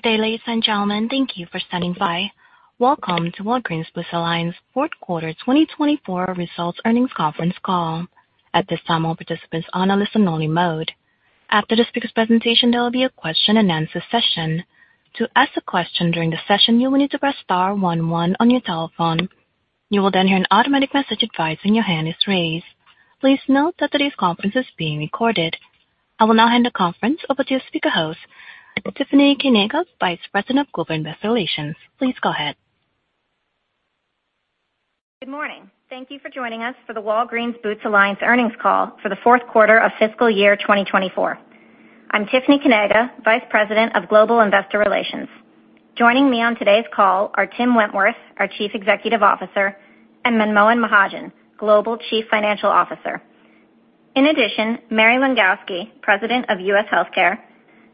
Good day, ladies and gentlemen. Thank you for standing by. Welcome to Walgreens Boots Alliance fourth quarter 2024 results earnings conference call. At this time, all participants are on a listen-only mode. After the speaker's presentation, there will be a question-and-answer session. To ask a question during the session, you will need to press star one one on your telephone. You will then hear an automatic message advising your hand is raised. Please note that today's conference is being recorded. I will now hand the conference over to your speaker host, Tiffany Kanaga, Vice President of Global Investor Relations. Please go ahead. Good morning. Thank you for joining us for the Walgreens Boots Alliance earnings call for the fourth quarter of fiscal year 2024. I'm Tiffany Kanaga, Vice President of Global Investor Relations. Joining me on today's call are Tim Wentworth, our Chief Executive Officer, and Manmohan Mahajan, Global Chief Financial Officer. In addition, Mary Langowski, President of U.S. Healthcare,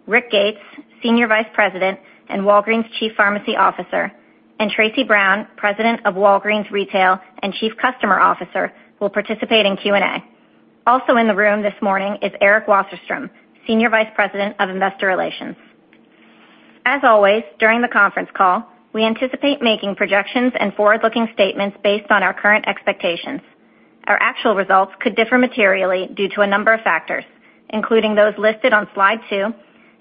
Rick Gates, Senior Vice President and Walgreens Chief Pharmacy Officer, and Tracy Brown, President of Walgreens Retail and Chief Customer Officer, will participate in Q&A. Also in the room this morning is Eric Wasserstrom, Senior Vice President of Investor Relations. As always, during the conference call, we anticipate making projections and forward-looking statements based on our current expectations. Our actual results could differ materially due to a number of factors, including those listed on slide 2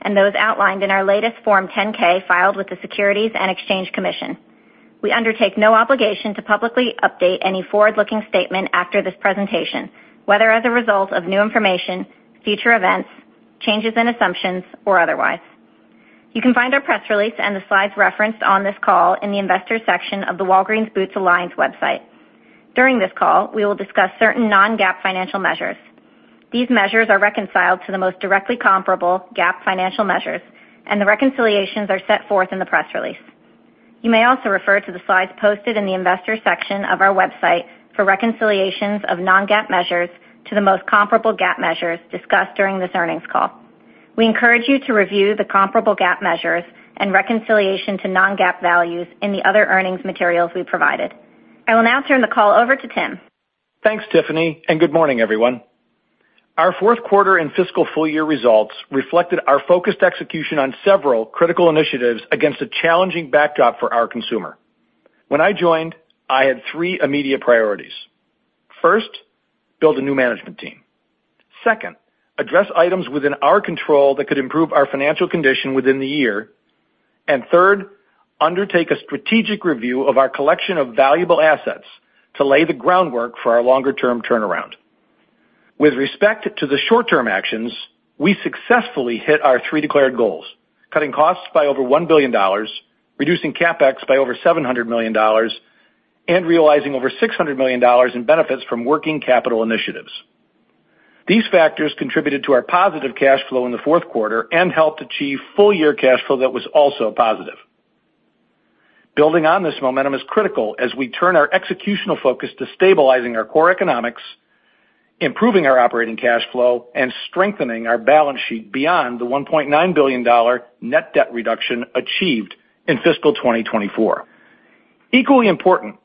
and those outlined in our latest Form 10-K filed with the Securities and Exchange Commission. We undertake no obligation to publicly update any forward-looking statement after this presentation, whether as a result of new information, future events, changes in assumptions, or otherwise. You can find our press release and the slides referenced on this call in the Investors section of the Walgreens Boots Alliance website. During this call, we will discuss certain non-GAAP financial measures. These measures are reconciled to the most directly comparable GAAP financial measures, and the reconciliations are set forth in the press release. You may also refer to the slides posted in the Investors section of our website for reconciliations of non-GAAP measures to the most comparable GAAP measures discussed during this earnings call. We encourage you to review the comparable GAAP measures and reconciliation to non-GAAP values in the other earnings materials we provided. I will now turn the call over to Tim. Thanks, Tiffany, and good morning, everyone. Our fourth quarter and fiscal full-year results reflected our focused execution on several critical initiatives against a challenging backdrop for our consumer. When I joined, I had three immediate priorities. First, build a new management team. Second, address items within our control that could improve our financial condition within the year. And third, undertake a strategic review of our collection of valuable assets to lay the groundwork for our longer-term turnaround. With respect to the short-term actions, we successfully hit our three declared goals, cutting costs by over $1 billion, reducing CapEx by over $700 million, and realizing over $600 million in benefits from working capital initiatives. These factors contributed to our positive cash flow in the fourth quarter and helped achieve full-year cash flow that was also positive. Building on this momentum is critical as we turn our executional focus to stabilizing our core economics, improving our operating cash flow, and strengthening our balance sheet beyond the $1.9 billion net debt reduction achieved in fiscal 2024. Equally important,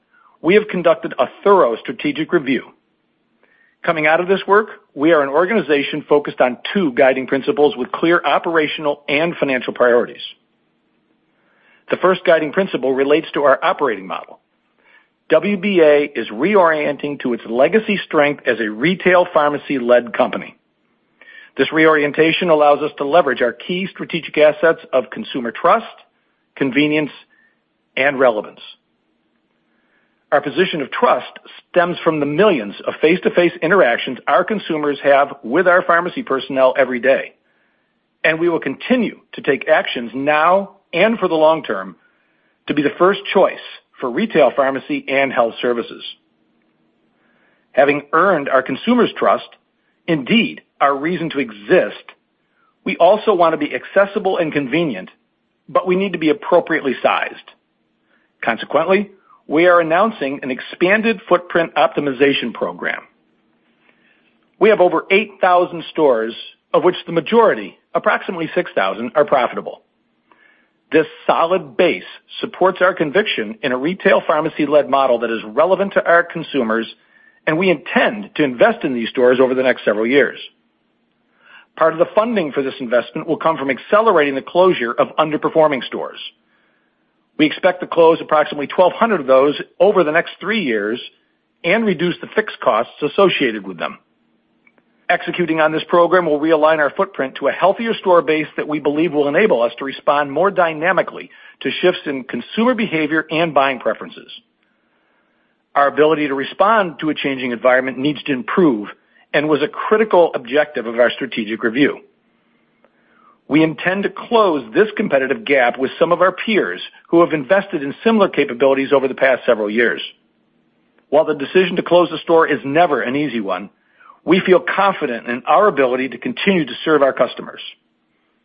we have conducted a thorough strategic review. Coming out of this work, we are an organization focused on two guiding principles with clear operational and financial priorities. The first guiding principle relates to our operating model. WBA is reorienting to its legacy strength as a retail pharmacy-led company. This reorientation allows us to leverage our key strategic assets of consumer trust, convenience, and relevance. Our position of trust stems from the millions of face-to-face interactions our consumers have with our pharmacy personnel every day, and we will continue to take actions now and for the long term to be the first choice for retail pharmacy and health services. Having earned our consumers' trust, indeed our reason to exist, we also want to be accessible and convenient, but we need to be appropriately sized. Consequently, we are announcing an expanded footprint optimization program. We have over 8,000 stores, of which the majority, approximately 6,000, are profitable. This solid base supports our conviction in a retail pharmacy-led model that is relevant to our consumers, and we intend to invest in these stores over the next several years. Part of the funding for this investment will come from accelerating the closure of underperforming stores. We expect to close approximately 1,200 of those over the next three years and reduce the fixed costs associated with them. Executing on this program will realign our footprint to a healthier store base that we believe will enable us to respond more dynamically to shifts in consumer behavior and buying preferences. Our ability to respond to a changing environment needs to improve and was a critical objective of our strategic review. We intend to close this competitive gap with some of our peers who have invested in similar capabilities over the past several years. While the decision to close the store is never an easy one, we feel confident in our ability to continue to serve our customers,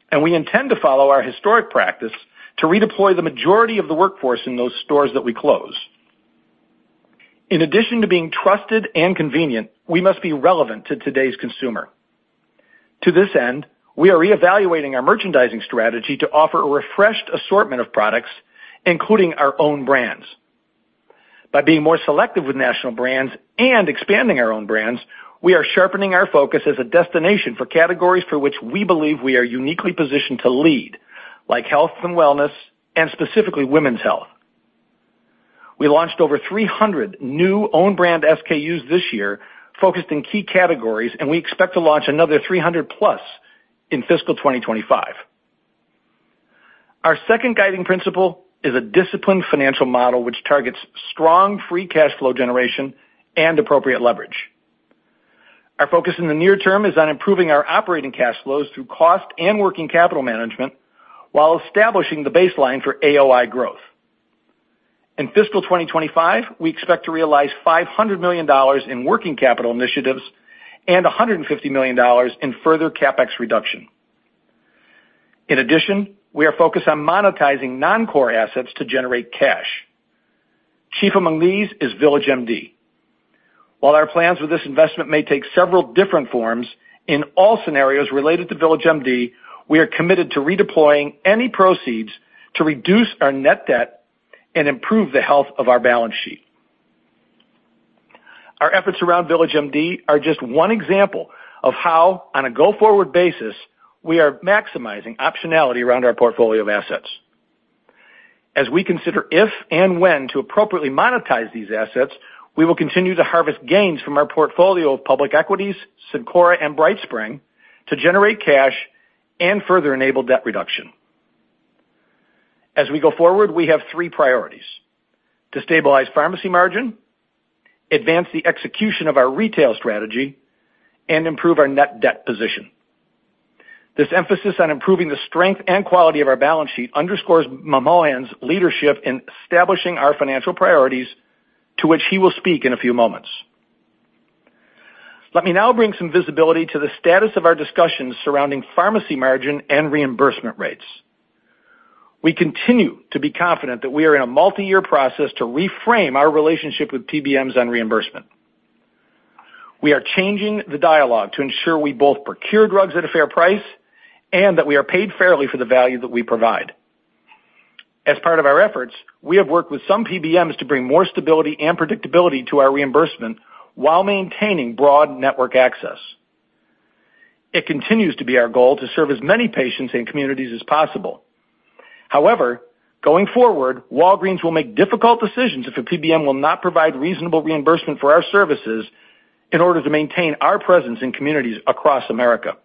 and we intend to follow our historic practice to redeploy the majority of the workforce in those stores that we close. In addition to being trusted and convenient, we must be relevant to today's consumer. To this end, we are reevaluating our merchandising strategy to offer a refreshed assortment of products, including our own brands. By being more selective with national brands and expanding our own brands, we are sharpening our focus as a destination for categories for which we believe we are uniquely positioned to lead, like health and wellness, and specifically women's health. We launched over 300 new own brand SKUs this year, focused in key categories, and we expect to launch another 300 plus in fiscal 2025. Our second guiding principle is a disciplined financial model, which targets strong free cash flow generation and appropriate leverage. Our focus in the near term is on improving our operating cash flows through cost and working capital management, while establishing the baseline for AOI growth. In fiscal 2025, we expect to realize $500 million in working capital initiatives and $150 million in further CapEx reduction. In addition, we are focused on monetizing non-core assets to generate cash. Chief among these is VillageMD. While our plans with this investment may take several different forms, in all scenarios related to VillageMD, we are committed to redeploying any proceeds to reduce our net debt and improve the health of our balance sheet. Our efforts around VillageMD are just one example of how, on a go-forward basis, we are maximizing optionality around our portfolio of assets. As we consider if and when to appropriately monetize these assets, we will continue to harvest gains from our portfolio of public equities, Cencora and BrightSpring, to generate cash and further enable debt reduction. As we go forward, we have three priorities: to stabilize pharmacy margin, advance the execution of our retail strategy, and improve our net debt position. This emphasis on improving the strength and quality of our balance sheet underscores Manmohan's leadership in establishing our financial priorities, to which he will speak in a few moments. Let me now bring some visibility to the status of our discussions surrounding pharmacy margin and reimbursement rates. We continue to be confident that we are in a multiyear process to reframe our relationship with PBMs on reimbursement. We are changing the dialogue to ensure we both procure drugs at a fair price and that we are paid fairly for the value that we provide. As part of our efforts, we have worked with some PBMs to bring more stability and predictability to our reimbursement while maintaining broad network access. It continues to be our goal to serve as many patients and communities as possible. However, going forward, Walgreens will make difficult decisions if a PBM will not provide reasonable reimbursement for our services in order to maintain our presence in communities across America.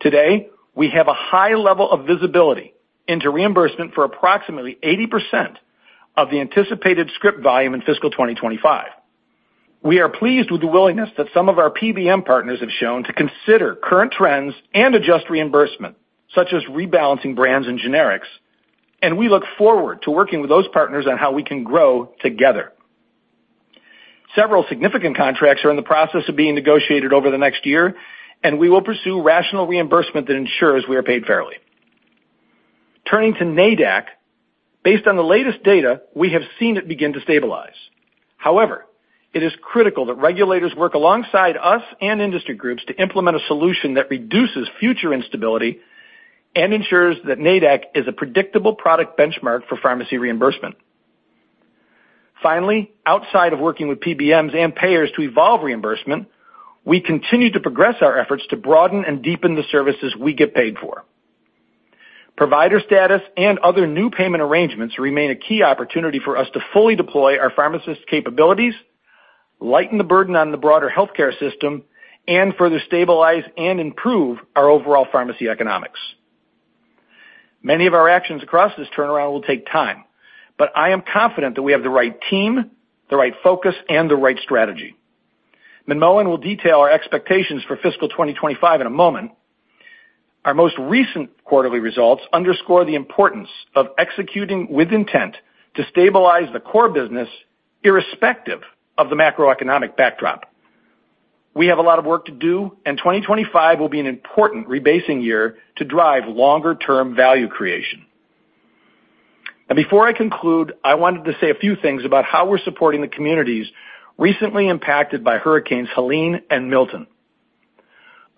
Today, we have a high level of visibility into reimbursement for approximately 80% of the anticipated script volume in fiscal 2025. We are pleased with the willingness that some of our PBM partners have shown to consider current trends and adjust reimbursement, such as rebalancing brands and generics, and we look forward to working with those partners on how we can grow together. Several significant contracts are in the process of being negotiated over the next year, and we will pursue rational reimbursement that ensures we are paid fairly. Turning to NADAC, based on the latest data, we have seen it begin to stabilize. However, it is critical that regulators work alongside us and industry groups to implement a solution that reduces future instability and ensures that NADAC is a predictable product benchmark for pharmacy reimbursement. Finally, outside of working with PBMs and payers to evolve reimbursement, we continue to progress our efforts to broaden and deepen the services we get paid for. Provider status and other new payment arrangements remain a key opportunity for us to fully deploy our pharmacist capabilities, lighten the burden on the broader healthcare system, and further stabilize and improve our overall pharmacy economics. Many of our actions across this turnaround will take time, but I am confident that we have the right team, the right focus, and the right strategy. Manmohan will detail our expectations for fiscal 2025 in a moment. Our most recent quarterly results underscore the importance of executing with intent to stabilize the core business, irrespective of the macroeconomic backdrop. We have a lot of work to do, and 2025 will be an important rebasing year to drive longer-term value creation. And before I conclude, I wanted to say a few things about how we're supporting the communities recently impacted by hurricanes Helene and Milton.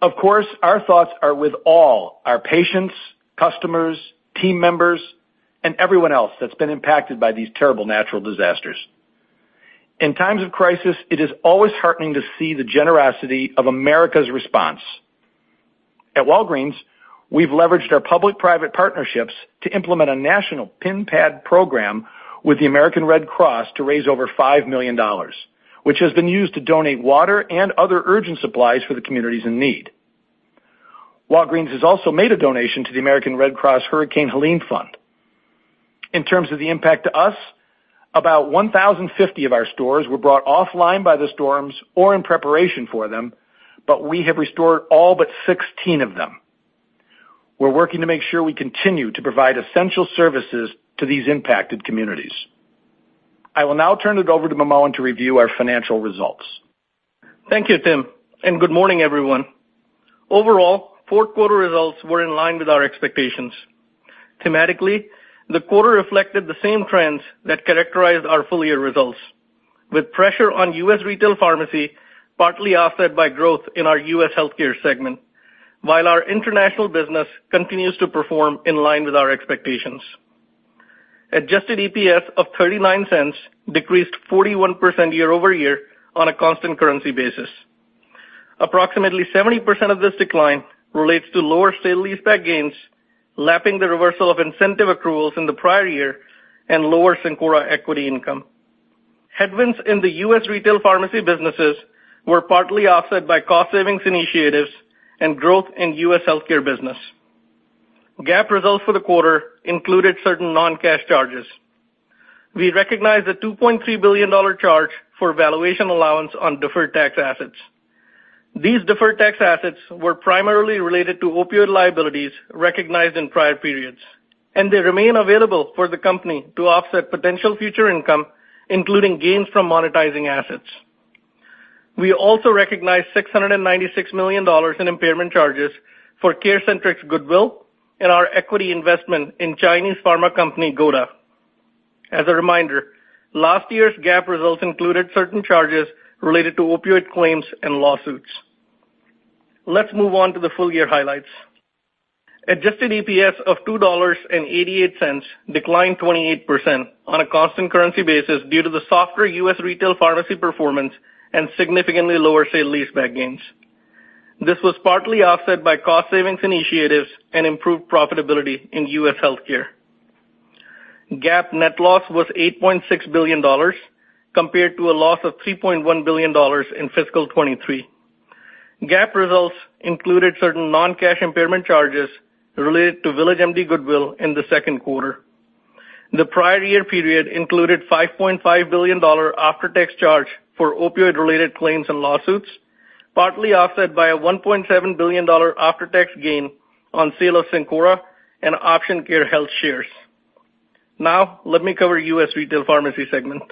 Of course, our thoughts are with all our patients, customers, team members, and everyone else that's been impacted by these terrible natural disasters. In times of crisis, it is always heartening to see the generosity of America's response. At Walgreens, we've leveraged our public-private partnerships to implement a national PIN pad program with the American Red Cross to raise over $5 million, which has been used to donate water and other urgent supplies for the communities in need. Walgreens has also made a donation to the American Red Cross Hurricane Helene Fund. In terms of the impact to us, about 1,050 of our stores were brought offline by the storms or in preparation for them, but we have restored all but sixteen of them. We're working to make sure we continue to provide essential services to these impacted communities. I will now turn it over to Manmohan to review our financial results. Thank you, Tim, and good morning, everyone. Overall, fourth quarter results were in line with our expectations. Thematically, the quarter reflected the same trends that characterized our full year results, with pressure on U.S. Retail Pharmacy, partly offset by growth in our U.S. Healthcare segment, while our international business continues to perform in line with our expectations. Adjusted EPS of $0.39 decreased 41% year-over-year on a constant currency basis. Approximately 70% of this decline relates to lower sale-leaseback gains, lapping the reversal of incentive accruals in the prior year and lower Cencora equity income. Headwinds in the U.S. retail pharmacy businesses were partly offset by cost savings initiatives and growth in U.S. Healthcare business. GAAP results for the quarter included certain non-cash charges. We recognized a $2.3 billion charge for valuation allowance on deferred tax assets. These deferred tax assets were primarily related to opioid liabilities recognized in prior periods, and they remain available for the company to offset potential future income, including gains from monetizing assets. We also recognized $696 million in impairment charges for CareCentrix goodwill and our equity investment in Chinese pharma company, GuoDa. As a reminder, last year's GAAP results included certain charges related to opioid claims and lawsuits. Let's move on to the full year highlights. Adjusted EPS of $2.88 declined 28% on a constant currency basis due to the softer U.S. Retail Pharmacy performance and significantly lower sale-leaseback gains. This was partly offset by cost savings initiatives and improved profitability in U.S. Healthcare. GAAP net loss was $8.6 billion, compared to a loss of $3.1 billion in fiscal 2023. GAAP results included certain non-cash impairment charges related to VillageMD goodwill in the second quarter. The prior year period included a $5.5 billion after-tax charge for opioid-related claims and lawsuits, partly offset by a $1.7 billion after-tax gain on sale of Cencora and Option Care Health shares. Now let me cover U.S. Retail Pharmacy segment.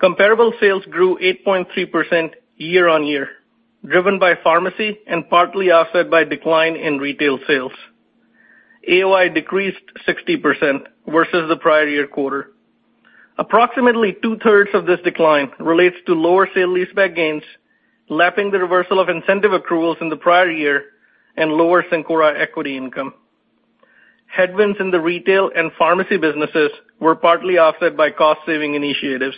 Comparable sales grew 8.3% year on year, driven by pharmacy and partly offset by decline in retail sales. AOI decreased 60% versus the prior year quarter. Approximately two-thirds of this decline relates to lower sale-leaseback gains, lapping the reversal of incentive accruals in the prior year and lower Cencora equity income. Headwinds in the retail and pharmacy businesses were partly offset by cost-saving initiatives.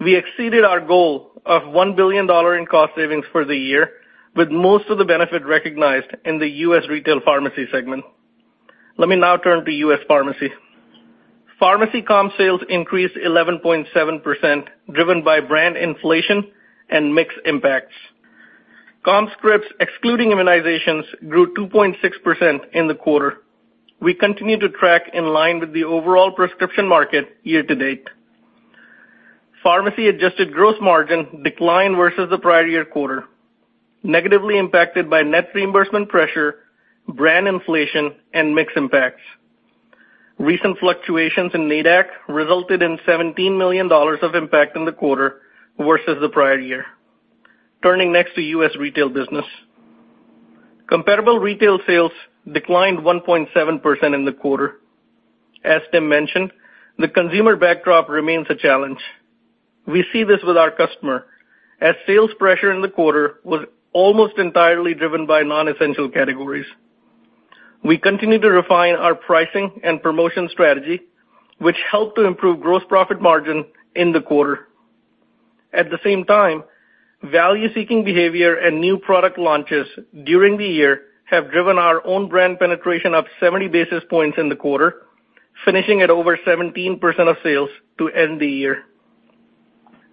We exceeded our goal of $1 billion in cost savings for the year, with most of the benefit recognized in the U.S. Retail Pharmacy segment. Let me now turn to U.S. Pharmacy. Pharmacy comp sales increased 11.7%, driven by brand inflation and mix impacts. Comp scripts, excluding immunizations, grew 2.6% in the quarter. We continue to track in line with the overall prescription market year to date. Pharmacy adjusted gross margin declined versus the prior year quarter, negatively impacted by net reimbursement pressure, brand inflation, and mix impacts. Recent fluctuations in NADAC resulted in $17 million of impact in the quarter versus the prior year. Turning next to U.S. retail business. Comparable retail sales declined 1.7% in the quarter. As Tim mentioned, the consumer backdrop remains a challenge. We see this with our customer, as sales pressure in the quarter was almost entirely driven by non-essential categories. We continue to refine our pricing and promotion strategy, which helped to improve gross profit margin in the quarter. At the same time, value-seeking behavior and new product launches during the year have driven our own brand penetration up 70 basis points in the quarter, finishing at over 17% of sales to end the year.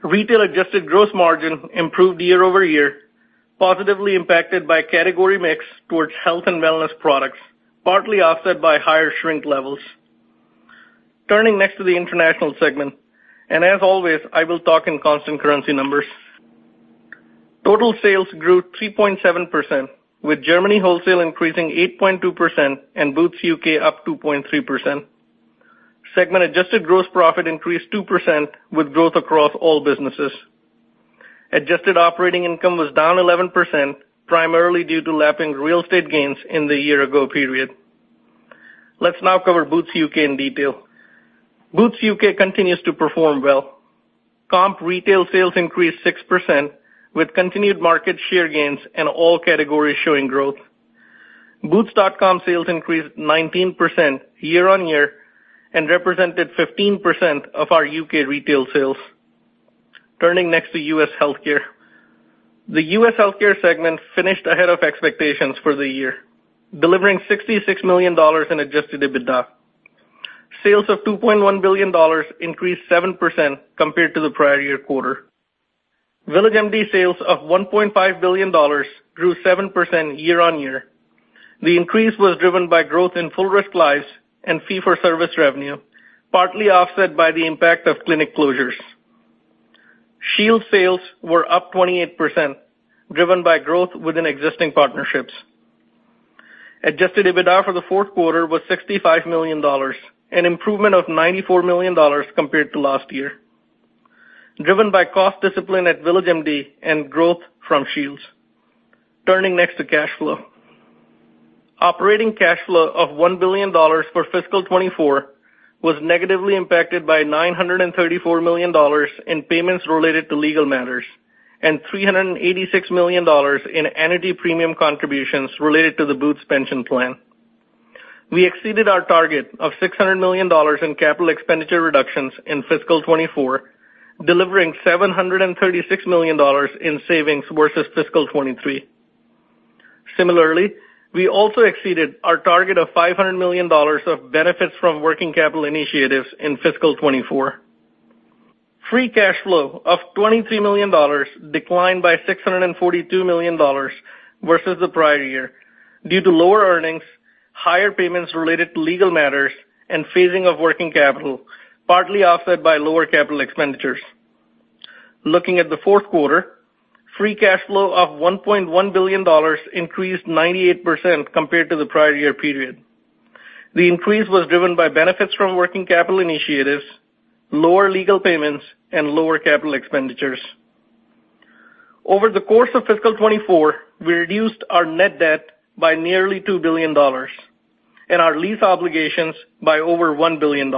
Retail adjusted gross margin improved year-over-year, positively impacted by category mix towards health and wellness products, partly offset by higher shrink levels. Turning next to the international segment, and as always, I will talk in constant currency numbers. Total sales grew 3.7%, with Germany wholesale increasing 8.2% and Boots U.K. up 2.3%. Segment adjusted gross profit increased 2%, with growth across all businesses. Adjusted operating income was down 11%, primarily due to lapping real estate gains in the year ago period. Let's now cover Boots U.K. in detail. Boots U.K. continues to perform well. Comp retail sales increased 6%, with continued market share gains and all categories showing growth. Boots.com sales increased 19% year on year and represented 15% of our U.K. retail sales. Turning next to U.S. Healthcare. The U.S. Healthcare segment finished ahead of expectations for the year, delivering $66 million in adjusted EBITDA. Sales of $2.1 billion increased 7% compared to the prior year quarter. VillageMD sales of $1.5 billion grew 7% year on year. The increase was driven by growth in full risk lives and fee-for-service revenue, partly offset by the impact of clinic closures. Shields sales were up 28%, driven by growth within existing partnerships. Adjusted EBITDA for the fourth quarter was $65 million, an improvement of $94 million compared to last year, driven by cost discipline at VillageMD and growth from Shields. Turning next to cash flow. Operating cash flow of $1 billion for fiscal 2024 was negatively impacted by $934 million in payments related to legal matters and $386 million in entity premium contributions related to the Boots pension plan. We exceeded our target of $600 million in capital expenditure reductions in fiscal 2024, delivering $736 million in savings versus fiscal 2023. Similarly, we also exceeded our target of $500 million of benefits from working capital initiatives in fiscal 2024. Free cash flow of $23 million declined by $642 million versus the prior year due to lower earnings, higher payments related to legal matters, and phasing of working capital, partly offset by lower capital expenditures. Looking at the fourth quarter, free cash flow of $1.1 billion increased 98% compared to the prior year period. The increase was driven by benefits from working capital initiatives, lower legal payments, and lower capital expenditures. Over the course of fiscal 2024, we reduced our net debt by nearly $2 billion and our lease obligations by over $1 billion,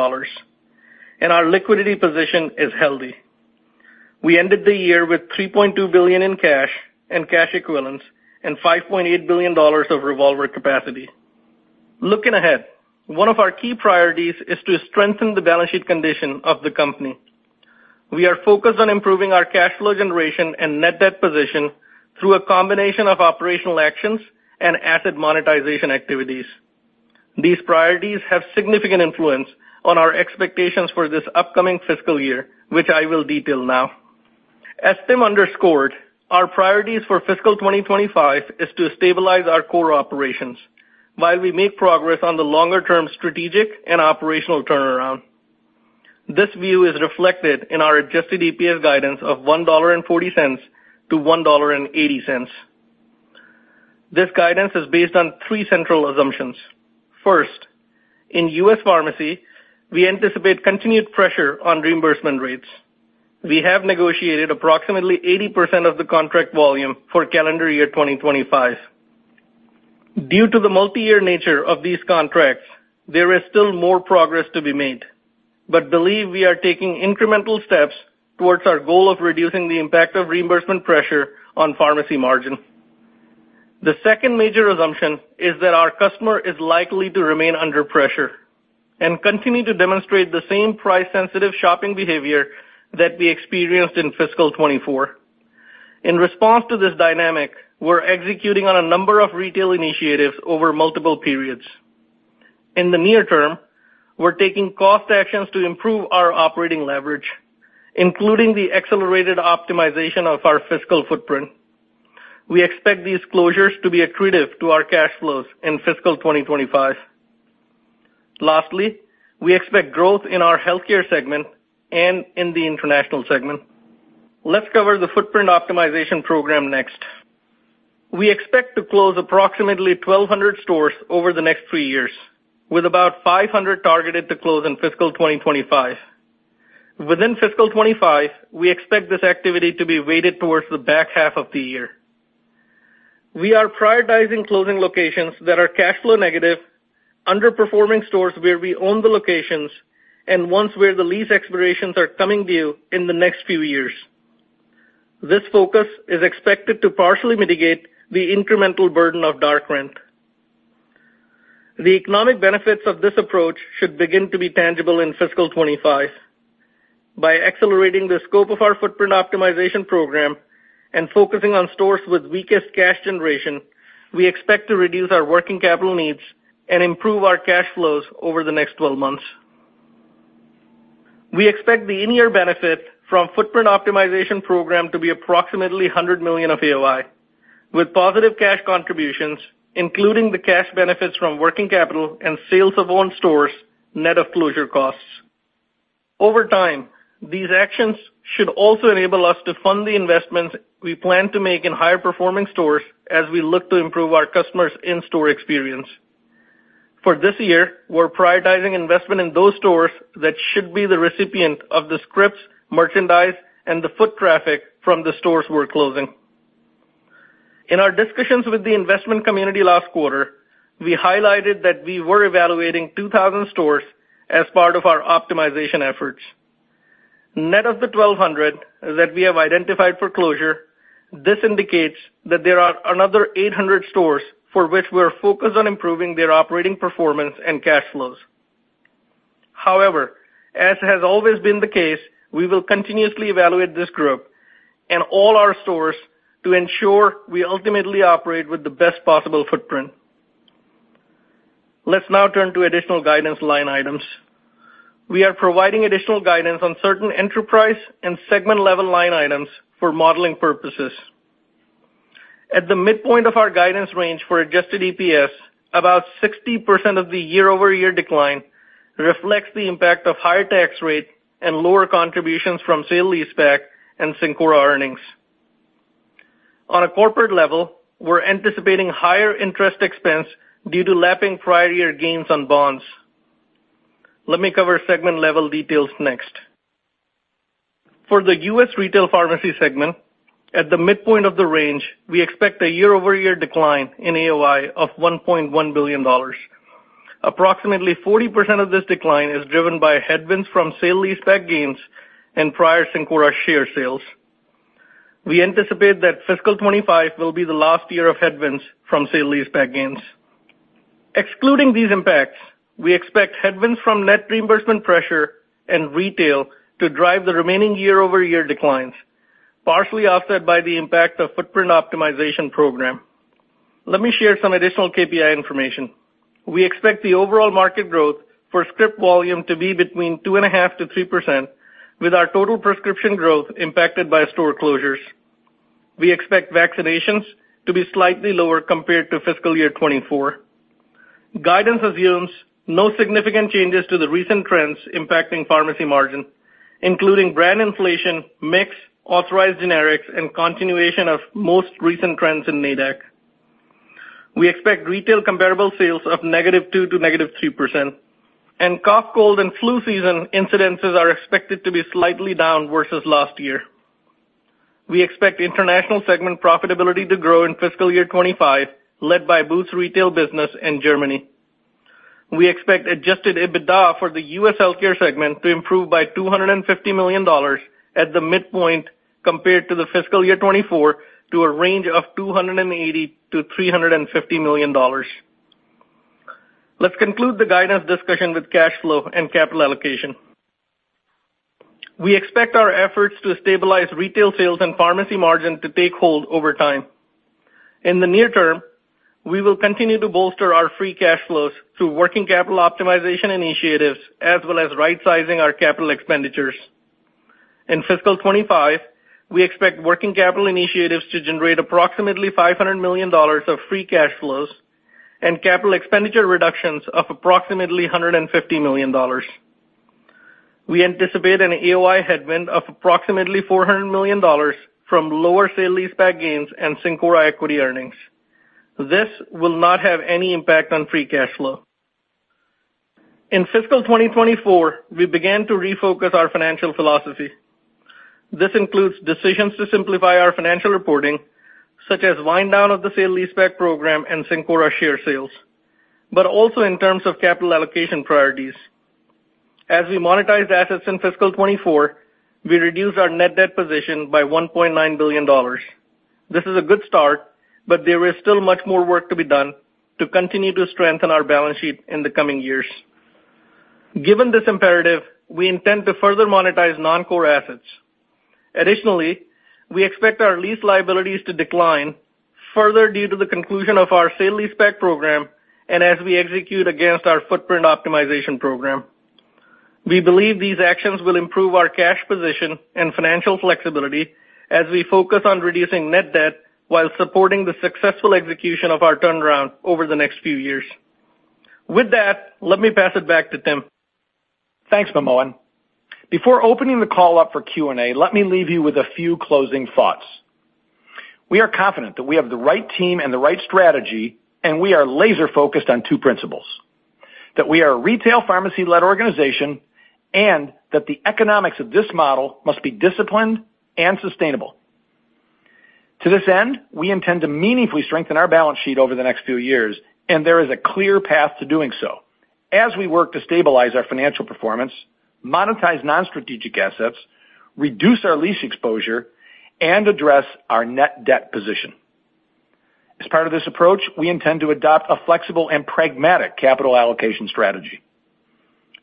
and our liquidity position is healthy. We ended the year with $3.2 billion in cash and cash equivalents and $5.8 billion of revolver capacity. Looking ahead, one of our key priorities is to strengthen the balance sheet condition of the company. We are focused on improving our cash flow generation and net debt position through a combination of operational actions and asset monetization activities. These priorities have significant influence on our expectations for this upcoming fiscal year, which I will detail now. As Tim underscored, our priorities for fiscal 2025 is to stabilize our core operations while we make progress on the longer-term strategic and operational turnaround. This view is reflected in our adjusted EPS guidance of $1.40-$1.80. This guidance is based on three central assumptions. First, in U.S. Pharmacy, we anticipate continued pressure on reimbursement rates. We have negotiated approximately 80% of the contract volume for calendar year 2025. Due to the multi-year nature of these contracts, there is still more progress to be made, but we believe we are taking incremental steps towards our goal of reducing the impact of reimbursement pressure on pharmacy margin. The second major assumption is that our customer is likely to remain under pressure and continue to demonstrate the same price-sensitive shopping behavior that we experienced in fiscal 2024. In response to this dynamic, we're executing on a number of retail initiatives over multiple periods. In the near term, we're taking cost actions to improve our operating leverage, including the accelerated optimization of our store footprint. We expect these closures to be accretive to our cash flows in fiscal 2025. Lastly, we expect growth in our healthcare segment and in the international segment. Let's cover the footprint optimization program next. We expect to close approximately 1,200 stores over the next three years, with about 500 targeted to close in fiscal 2025. Within fiscal 2025, we expect this activity to be weighted towards the back half of the year. We are prioritizing closing locations that are cash flow negative, underperforming stores where we own the locations, and ones where the lease expirations are coming due in the next few years. This focus is expected to partially mitigate the incremental burden of dark rent. The economic benefits of this approach should begin to be tangible in fiscal 2025. By accelerating the scope of our footprint optimization program and focusing on stores with weakest cash generation, we expect to reduce our working capital needs and improve our cash flows over the next 12 months. We expect the in-year benefit from footprint optimization program to be approximately $100 million of AOI, with positive cash contributions, including the cash benefits from working capital and sales of owned stores, net of closure costs. Over time, these actions should also enable us to fund the investments we plan to make in higher-performing stores as we look to improve our customers' in-store experience. For this year, we're prioritizing investment in those stores that should be the recipient of the scripts, merchandise, and the foot traffic from the stores we're closing. In our discussions with the investment community last quarter, we highlighted that we were evaluating 2,000 stores as part of our optimization efforts. Net of the 1,200 that we have identified for closure, this indicates that there are another 800 stores for which we are focused on improving their operating performance and cash flows. However, as has always been the case, we will continuously evaluate this group and all our stores to ensure we ultimately operate with the best possible footprint. Let's now turn to additional guidance line items. We are providing additional guidance on certain enterprise and segment-level line items for modeling purposes. At the midpoint of our guidance range for adjusted EPS, about 60% of the year-over-year decline reflects the impact of higher tax rate and lower contributions from sale-leaseback and Cencora earnings. On a corporate level, we're anticipating higher interest expense due to lapping prior year gains on bonds. Let me cover segment-level details next. For the U.S. retail pharmacy segment, at the midpoint of the range, we expect a year-over-year decline in AOI of $1.1 billion. Approximately 40% of this decline is driven by headwinds from sale-leaseback gains and prior Cencora share sales. We anticipate that fiscal 2025 will be the last year of headwinds from sale-leaseback gains. Excluding these impacts, we expect headwinds from net reimbursement pressure and retail to drive the remaining year-over-year declines, partially offset by the impact of footprint optimization program. Let me share some additional KPI information. We expect the overall market growth for script volume to be between 2.5% to 3%, with our total prescription growth impacted by store closures. We expect vaccinations to be slightly lower compared to fiscal year 2024. Guidance assumes no significant changes to the recent trends impacting pharmacy margin, including brand inflation, mix, authorized generics, and continuation of most recent trends in NADAC. We expect retail comparable sales of -2% to -3%, and cough, cold, and flu season incidences are expected to be slightly down versus last year. We expect international segment profitability to grow in fiscal year 2025, led by Boots' retail business in Germany. We expect adjusted EBITDA for the U.S. Healthcare segment to improve by $250 million at the midpoint compared to fiscal year 2024, to a range of $280 million-$350 million. Let's conclude the guidance discussion with cash flow and capital allocation. We expect our efforts to stabilize retail sales and pharmacy margin to take hold over time. In the near term, we will continue to bolster our free cash flows through working capital optimization initiatives, as well as rightsizing our capital expenditures. In fiscal 2025, we expect working capital initiatives to generate approximately $500 million of free cash flows and capital expenditure reductions of approximately $150 million. We anticipate an AOI headwind of approximately $400 million from lower sale-leaseback gains and Cencora equity earnings. This will not have any impact on free cash flow. In fiscal 2024, we began to refocus our financial philosophy. This includes decisions to simplify our financial reporting, such as wind down of the sale-leaseback program and Cencora share sales, but also in terms of capital allocation priorities. As we monetize assets in fiscal 2024, we reduce our net debt position by $1.9 billion. This is a good start, but there is still much more work to be done to continue to strengthen our balance sheet in the coming years. Given this imperative, we intend to further monetize non-core assets. Additionally, we expect our lease liabilities to decline further due to the conclusion of our sale-leaseback program and as we execute against our footprint optimization program. We believe these actions will improve our cash position and financial flexibility as we focus on reducing net debt while supporting the successful execution of our turnaround over the next few years. With that, let me pass it back to Tim. Thanks, Manmohan. Before opening the call up for Q&A, let me leave you with a few closing thoughts. We are confident that we have the right team and the right strategy, and we are laser focused on two principles: that we are a retail pharmacy-led organization, and that the economics of this model must be disciplined and sustainable. To this end, we intend to meaningfully strengthen our balance sheet over the next few years, and there is a clear path to doing so as we work to stabilize our financial performance, monetize non-strategic assets, reduce our lease exposure, and address our net debt position. As part of this approach, we intend to adopt a flexible and pragmatic capital allocation strategy.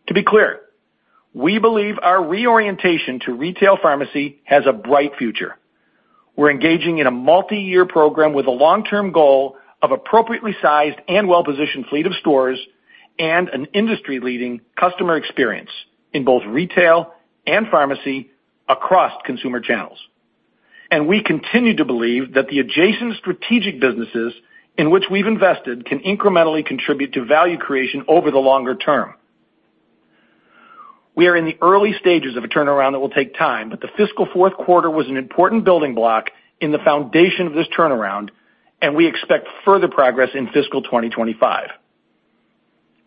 To be clear, we believe our reorientation to retail pharmacy has a bright future. We're engaging in a multi-year program with a long-term goal of appropriately sized and well-positioned fleet of stores and an industry-leading customer experience in both retail and pharmacy across consumer channels. And we continue to believe that the adjacent strategic businesses in which we've invested can incrementally contribute to value creation over the longer term. We are in the early stages of a turnaround that will take time, but the fiscal fourth quarter was an important building block in the foundation of this turnaround, and we expect further progress in fiscal 2025.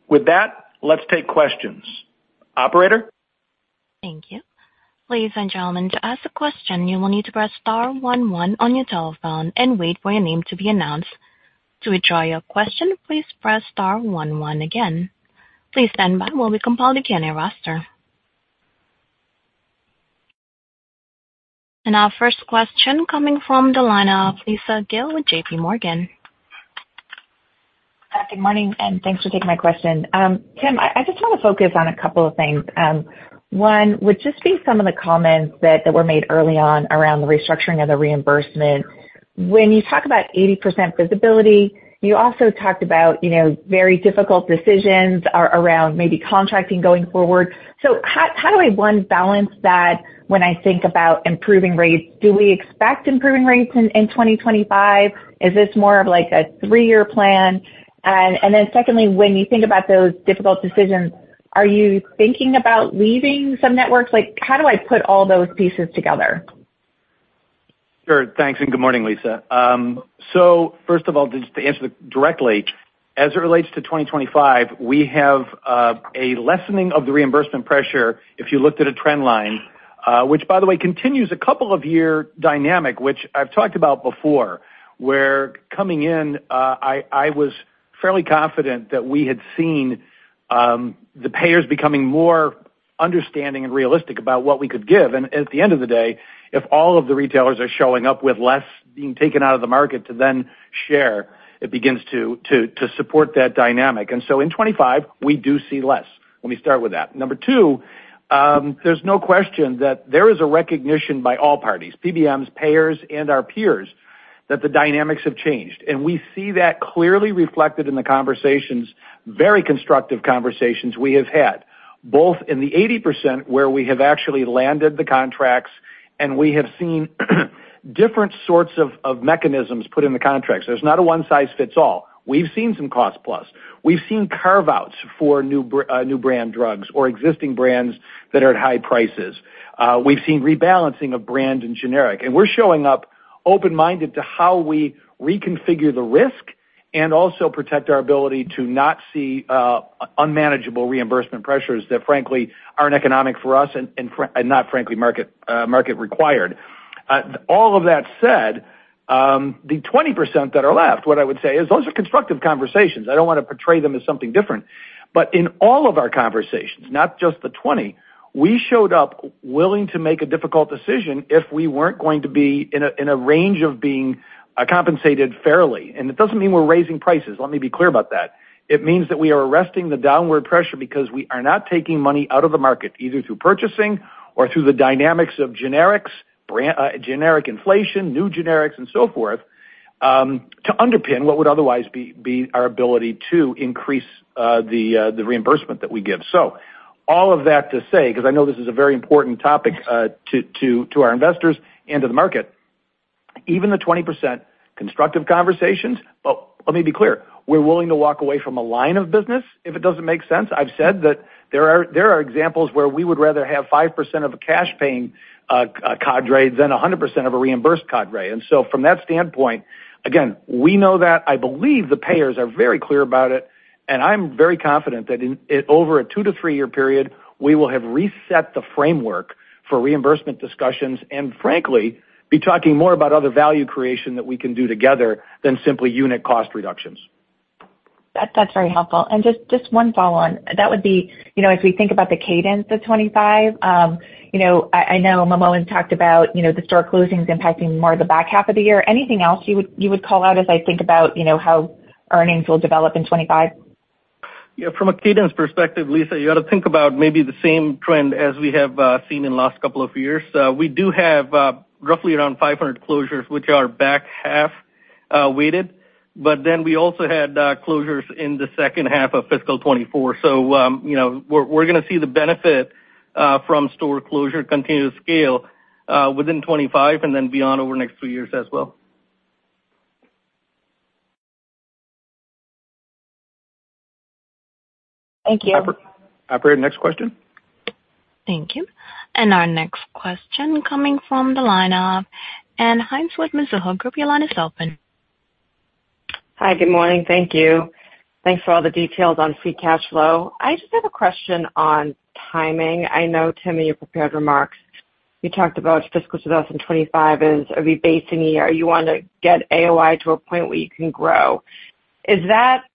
With that, let's take questions. Operator? Thank you. Ladies and gentlemen, to ask a question, you will need to press star one one on your telephone and wait for your name to be announced. To withdraw your question, please press star one one again. Please stand by while we compile the Q&A roster. And our first question coming from the line of Lisa Gill with J.P. Morgan. Good morning, and thanks for taking my question. Tim, I just want to focus on a couple of things. One would just be some of the comments that were made early on around the restructuring of the reimbursement. When you talk about 80% visibility, you also talked about, you know, very difficult decisions around maybe contracting going forward. So how do I, one, balance that when I think about improving rates? Do we expect improving rates in 2025? Is this more of, like, a three-year plan? And then secondly, when you think about those difficult decisions, are you thinking about leaving some networks? Like, how do I put all those pieces together? Sure. Thanks, and good morning, Lisa. So first of all, just to answer directly, as it relates to 2025, we have a lessening of the reimbursement pressure if you looked at a trend line, which, by the way, continues a couple of year dynamic, which I've talked about before, where coming in, I was fairly confident that we had seen the payers becoming more understanding and realistic about what we could give. And at the end of the day, if all of the retailers are showing up with less being taken out of the market to then share, it begins to support that dynamic. And so in 2025, we do see less. Let me start with that. Number two, there's no question that there is a recognition by all parties, PBMs, payers, and our peers, that the dynamics have changed. And we see that clearly reflected in the conversations, very constructive conversations we have had, both in the 80% where we have actually landed the contracts, and we have seen different sorts of mechanisms put in the contracts. There's not a one size fits all. We've seen some cost-plus. We've seen carve-outs for new brand drugs or existing brands that are at high prices. We've seen rebalancing of brand and generic, and we're showing up open-minded to how we reconfigure the risk and also protect our ability to not see unmanageable reimbursement pressures that, frankly, aren't economic for us and, frankly, not market required. All of that said, the 20% that are left, what I would say is those are constructive conversations. I don't wanna portray them as something different. But in all of our conversations, not just the 20%, we showed up willing to make a difficult decision if we weren't going to be in a range of being compensated fairly. And it doesn't mean we're raising prices. Let me be clear about that. It means that we are arresting the downward pressure because we are not taking money out of the market, either through purchasing or through the dynamics of generics, brand, generic inflation, new generics, and so forth, to underpin what would otherwise be our ability to increase the reimbursement that we give. So all of that to say, because I know this is a very important topic to our investors and to the market, even the 20%, constructive conversations. But let me be clear, we're willing to walk away from a line of business if it doesn't make sense. I've said that there are examples where we would rather have 5% of a cash paying cadre than 100% of a reimbursed cadre. And so from that standpoint, again, we know that. I believe the payers are very clear about it, and I'm very confident that in over a two to three-year period, we will have reset the framework for reimbursement discussions, and frankly, be talking more about other value creation that we can do together than simply unit cost reductions. That's, that's very helpful. And just, just one follow-on. That would be, you know, as we think about the cadence of 2025, you know, I know Manmohan talked about, you know, the store closings impacting more of the back half of the year. Anything else you would, you would call out as I think about, you know, how earnings will develop in 2025? Yeah, from a cadence perspective, Lisa, you ought to think about maybe the same trend as we have seen in last couple of years. We do have roughly around five hundred closures, which are back half weighted, but then we also had closures in the second half of fiscal 2024. So, you know, we're gonna see the benefit from store closure continue to scale within 2025 and then beyond over the next few years as well. Thank you. Operator, next question. Thank you. And our next question coming from the line of Ann Hynes with Mizuho Group. Your line is open. Hi, good morning. Thank you. Thanks for all the details on free cash flow. I just have a question on timing. I know, Tim, in your prepared remarks, you talked about fiscal 2025 is a rebasing year. You want to get AOI to a point where you can grow. Is that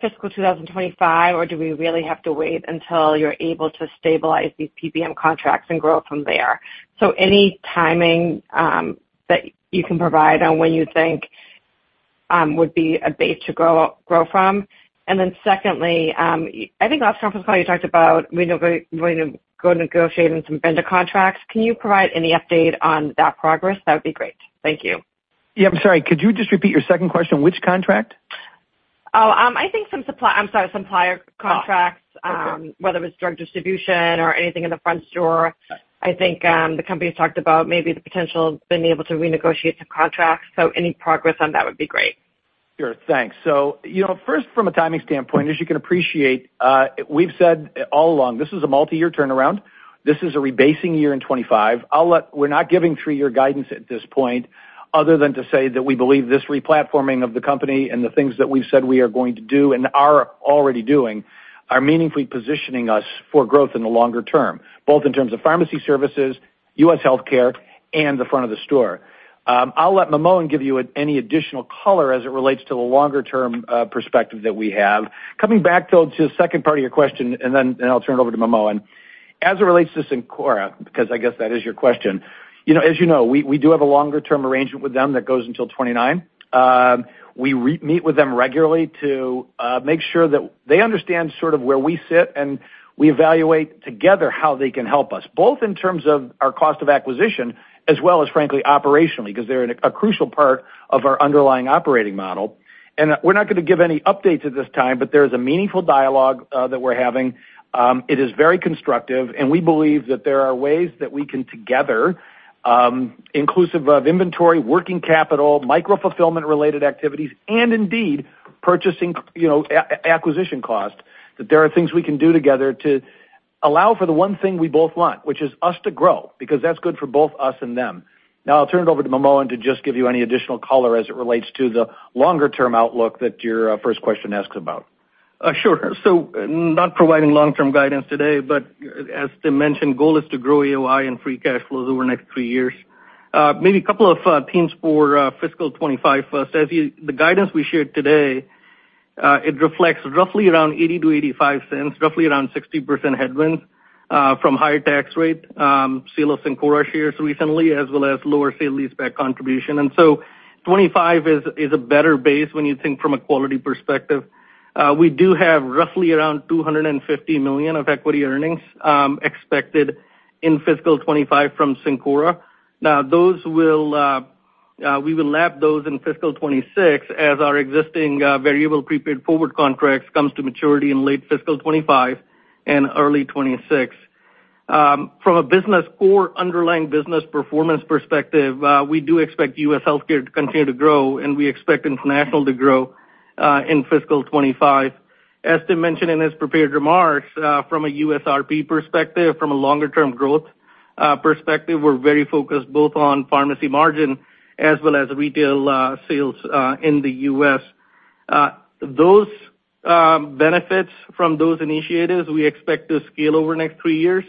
fiscal 2025, or do we really have to wait until you're able to stabilize these PBM contracts and grow from there? So any timing that you can provide on when you think would be a base to grow from? And then secondly, I think last time you talked about renegotiating some vendor contracts. Can you provide any update on that progress? That would be great. Thank you. Yeah, I'm sorry. Could you just repeat your second question? Which contract? I think supplier contracts, whether it's drug distribution or anything in the front store. I think, the company's talked about maybe the potential of being able to renegotiate some contracts, so any progress on that would be great. Sure, thanks. So, you know, first, from a timing standpoint, as you can appreciate, we've said all along, this is a multi-year turnaround. This is a rebasing year in 2025. I'll let-- We're not giving three-year guidance at this point, other than to say that we believe this replatforming of the company and the things that we've said we are going to do and are already doing, are meaningfully positioning us for growth in the longer term, both in terms of pharmacy services, U.S. Healthcare, and the front of the store. I'll let Manmohan give you any additional color as it relates to the longer-term perspective that we have. Coming back, though, to the second part of your question, and then I'll turn it over to Manmohan. As it relates to Cencora, because I guess that is your question, you know, as you know, we do have a longer-term arrangement with them that goes until 2029. We meet with them regularly to make sure that they understand sort of where we sit, and we evaluate together how they can help us, both in terms of our cost of acquisition, as well as frankly, operationally, because they're a crucial part of our underlying operating model. And we're not going to give any updates at this time, but there is a meaningful dialogue that we're having. It is very constructive, and we believe that there are ways that we can together, inclusive of inventory, working capital, micro-fulfillment-related activities, and indeed, purchasing, you know, acquisition cost, that there are things we can do together to-... allow for the one thing we both want, which is us to grow, because that's good for both us and them. Now I'll turn it over to Manmohan to just give you any additional color as it relates to the longer term outlook that your first question asks about. Sure. So not providing long-term guidance today, but as Tim mentioned, goal is to grow AOI and free cash flows over the next three years. Maybe a couple of items for fiscal 2025. First, as you, the guidance we shared today, it reflects roughly around $0.80-$0.85, roughly around 60% headwinds, from higher tax rate, sale of Cencora shares recently, as well as lower sale-leaseback contribution. So 2025 is a better base when you think from a quality perspective. We do have roughly around $250 million of equity earnings expected in fiscal 2025 from Cencora. Now, those will, we will lap those in fiscal 2026, as our existing variable prepaid forward contracts comes to maturity in late fiscal 2025 and early 2026. From a business or underlying business performance perspective, we do expect U.S. Healthcare to continue to grow, and we expect international to grow in fiscal 2025. As Tim mentioned in his prepared remarks, from a USRP perspective, from a longer term growth perspective, we're very focused both on pharmacy margin as well as retail sales in the US. Those benefits from those initiatives, we expect to scale over the next three years.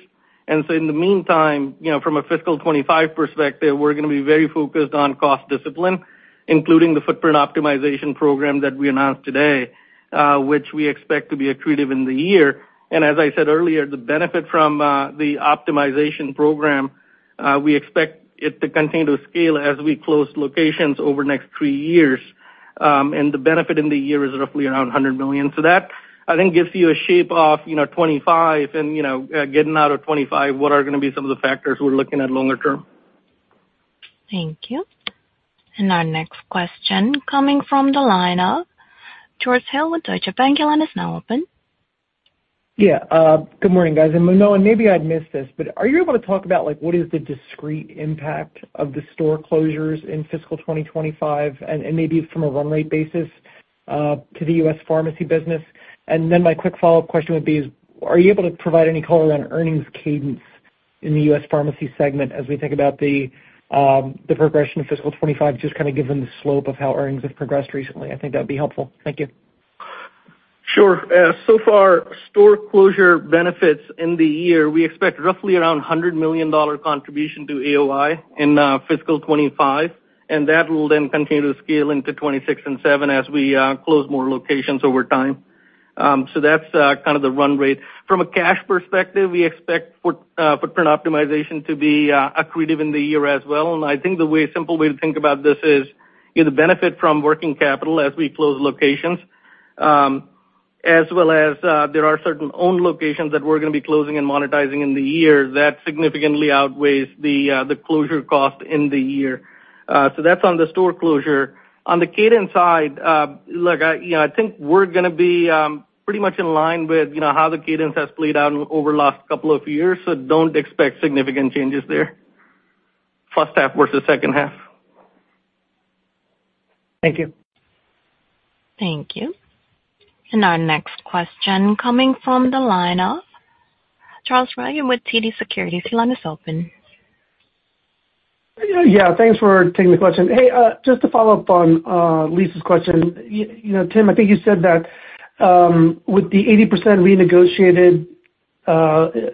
And so in the meantime, you know, from a fiscal 2025 perspective, we're gonna be very focused on cost discipline, including the footprint optimization program that we announced today, which we expect to be accretive in the year. And as I said earlier, the benefit from the optimization program, we expect it to continue to scale as we close locations over the next three years. And the benefit in the year is roughly around $100 million. So that, I think, gives you a shape of, you know, 2025 and, you know, getting out of 2025, what are gonna be some of the factors we're looking at longer term. Thank you. And our next question coming from the line of George Hill with Deutsche Bank. Your line is now open. Yeah, good morning, guys. And Manmohan, maybe I missed this, but are you able to talk about, like, what is the discrete impact of the store closures in fiscal 2025 and, and maybe from a run rate basis, to the US pharmacy business? And then my quick follow-up question would be, is, are you able to provide any color on earnings cadence in the US pharmacy segment as we think about the, the progression of fiscal 2025? Just kind of give them the slope of how earnings have progressed recently. I think that'd be helpful. Thank you. Sure. So far, store closure benefits in the year, we expect roughly around $100 million contribution to AOI in fiscal 2025, and that will then continue to scale into 2026 and 2027 as we close more locations over time. So that's kind of the run rate. From a cash perspective, we expect footprint optimization to be accretive in the year as well. And I think the way, simple way to think about this is, you know, the benefit from working capital as we close locations, as well as there are certain owned locations that we're gonna be closing and monetizing in the year that significantly outweighs the closure cost in the year. So that's on the store closure. On the cadence side, look, I, you know, I think we're gonna be pretty much in line with, you know, how the cadence has played out over the last couple of years, so don't expect significant changes there, first half versus second half. Thank you. Thank you. And our next question coming from the line of Charles Rhyee with TD Securities. Your line is open. Yeah, thanks for taking the question. Hey, just to follow up on, Lisa's question, you know, Tim, I think you said that, with the 80% renegotiated,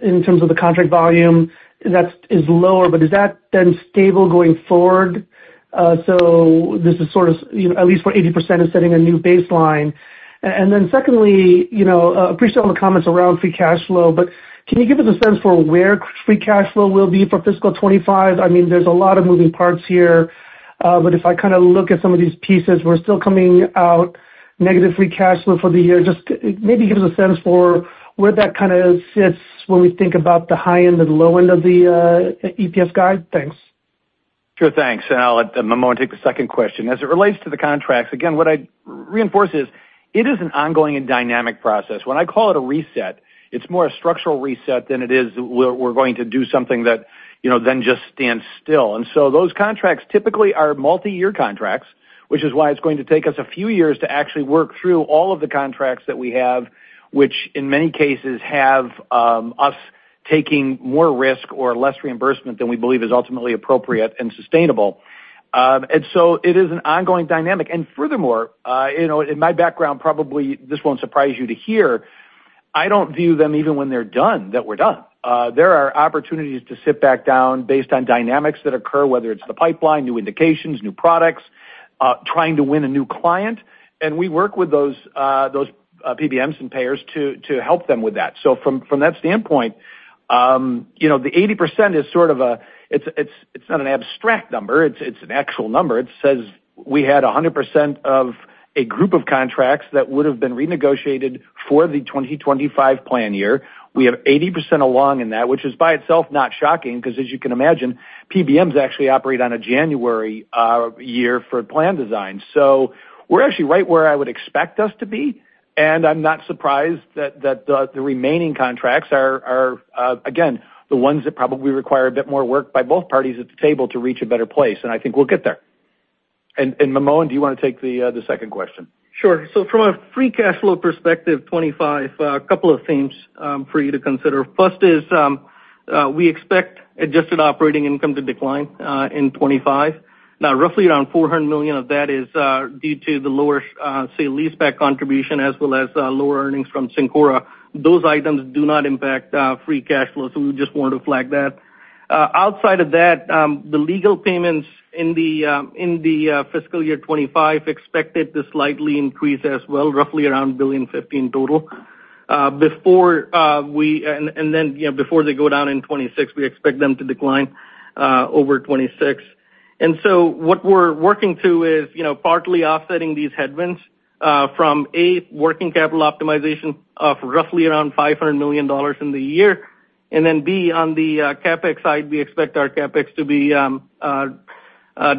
in terms of the contract volume, that is lower, but is that then stable going forward? So this is sort of, you know, at least for 80%, is setting a new baseline. And then secondly, you know, appreciate all the comments around free cash flow, but can you give us a sense for where free cash flow will be for fiscal 2025? I mean, there's a lot of moving parts here, but if I kinda look at some of these pieces, we're still coming out negative free cash flow for the year. Just maybe give us a sense for where that kinda sits when we think about the high end and low end of the EPS guide? Thanks. Sure, thanks. And I'll let Manmohan take the second question. As it relates to the contracts, again, what I'd reinforce is, it is an ongoing and dynamic process. When I call it a reset, it's more a structural reset than it is we're going to do something that, you know, then just stands still. And so those contracts typically are multiyear contracts, which is why it's going to take us a few years to actually work through all of the contracts that we have, which in many cases have us taking more risk or less reimbursement than we believe is ultimately appropriate and sustainable. And so it is an ongoing dynamic. And furthermore, you know, in my background, probably this won't surprise you to hear, I don't view them even when they're done, that we're done. There are opportunities to sit back down based on dynamics that occur, whether it's the pipeline, new indications, new products, trying to win a new client, and we work with those PBMs and payers to help them with that. So from that standpoint, you know, the 80% is sort of a it's not an abstract number, it's an actual number. It says we had 100% of a group of contracts that would have been renegotiated for the 2025 plan year. We have 80% along in that, which is by itself, not shocking, because, as you can imagine, PBMs actually operate on a January year for plan design. We're actually right where I would expect us to be, and I'm not surprised that the remaining contracts are again the ones that probably require a bit more work by both parties at the table to reach a better place, and I think we'll get there. Manmohan, do you want to take the second question? Sure. So from a free cash flow perspective, 2025, a couple of themes for you to consider. First is, we expect adjusted operating income to decline in 2025. Now, roughly around $400 million of that is due to the lower sale-leaseback contribution, as well as lower earnings from Cencora. Those items do not impact free cash flow, so we just wanted to flag that. Outside of that, the legal payments in fiscal year 2025 expected to slightly increase as well, roughly around $1.015 billion total. Before, and then, you know, before they go down in 2026, we expect them to decline over 2026. And so what we're working through is, you know, partly offsetting these headwinds from A, working capital optimization of roughly around $500 million in the year, and then B, on the CapEx side, we expect our CapEx to be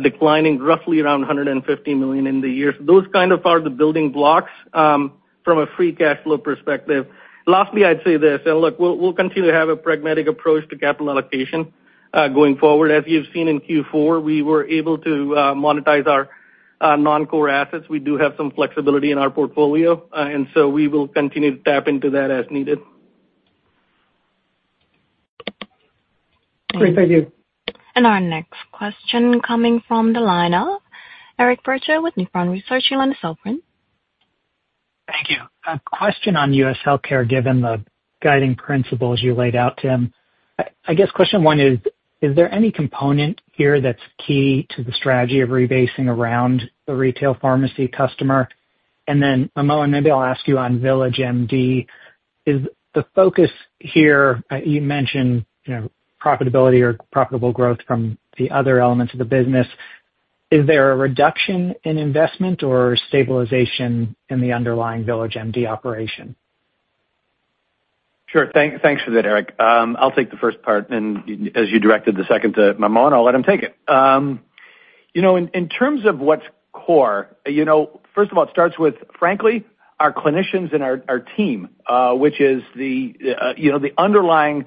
declining roughly around $150 million in the year. So those kind of are the building blocks from a free cash flow perspective. Lastly, I'd say this. Look, we'll continue to have a pragmatic approach to capital allocation going forward. As you've seen in Q4, we were able to monetize our non-core assets. We do have some flexibility in our portfolio, and so we will continue to tap into that as needed. Great. Thank you. Our next question coming from the line of Eric Percher with Nephron Research. Your line is open. Thank you. A question on U.S. Healthcare, given the guiding principles you laid out, Tim. I guess question one is, is there any component here that's key to the strategy of rebasing around the retail pharmacy customer? And then, Manmohan, maybe I'll ask you on VillageMD, is the focus here, you know, profitability or profitable growth from the other elements of the business. Is there a reduction in investment or stabilization in the underlying VillageMD operation? Sure. Thanks for that, Eric. I'll take the first part, and as you directed the second to Manmohan, and I'll let him take it. You know, in terms of what's core, you know, first of all, it starts with, frankly, our clinicians and our team, which is, you know, the underlying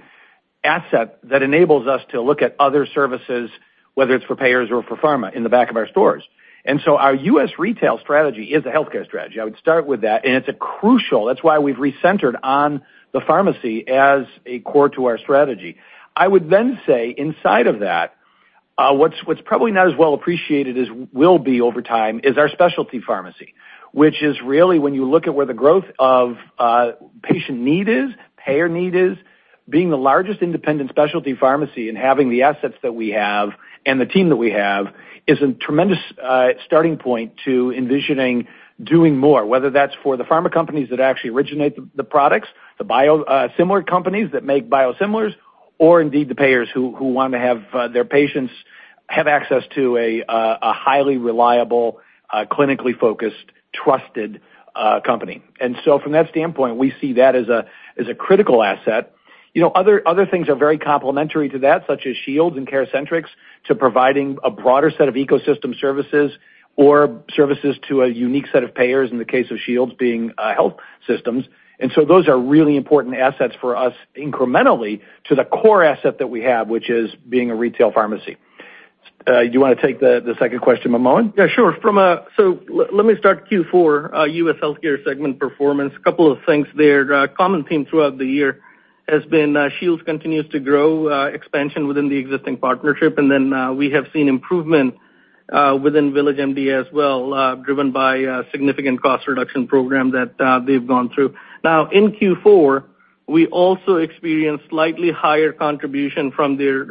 asset that enables us to look at other services, whether it's for payers or for pharma, in the back of our stores. And so our U.S. retail strategy is a healthcare strategy. I would start with that, and it's a crucial. That's why we've recentered on the pharmacy as a core to our strategy. I would then say, inside of that, what's probably not as well appreciated as will be over time, is our specialty pharmacy, which is really, when you look at where the growth of patient need is, payer need is, being the largest independent specialty pharmacy and having the assets that we have and the team that we have, is a tremendous starting point to envisioning doing more, whether that's for the pharma companies that actually originate the products, the biosimilar companies that make biosimilars, or indeed the payers who want to have their patients have access to a highly reliable, clinically focused, trusted company. And so from that standpoint, we see that as a critical asset. You know, other things are very complementary to that, such as Shields and CareCentrix, to providing a broader set of ecosystem services or services to a unique set of payers, in the case of Shields, being health systems. So those are really important assets for us incrementally to the core asset that we have, which is being a retail pharmacy. You wanna take the second question, Manmohan? Yeah, sure. So let me start Q4, U.S. Healthcare segment performance. A couple of things there. A common theme throughout the year has been, Shields continues to grow, expansion within the existing partnership, and then, we have seen improvement, within VillageMD as well, driven by a significant cost reduction program that, they've gone through. Now, in Q4, we also experienced slightly higher contribution from their,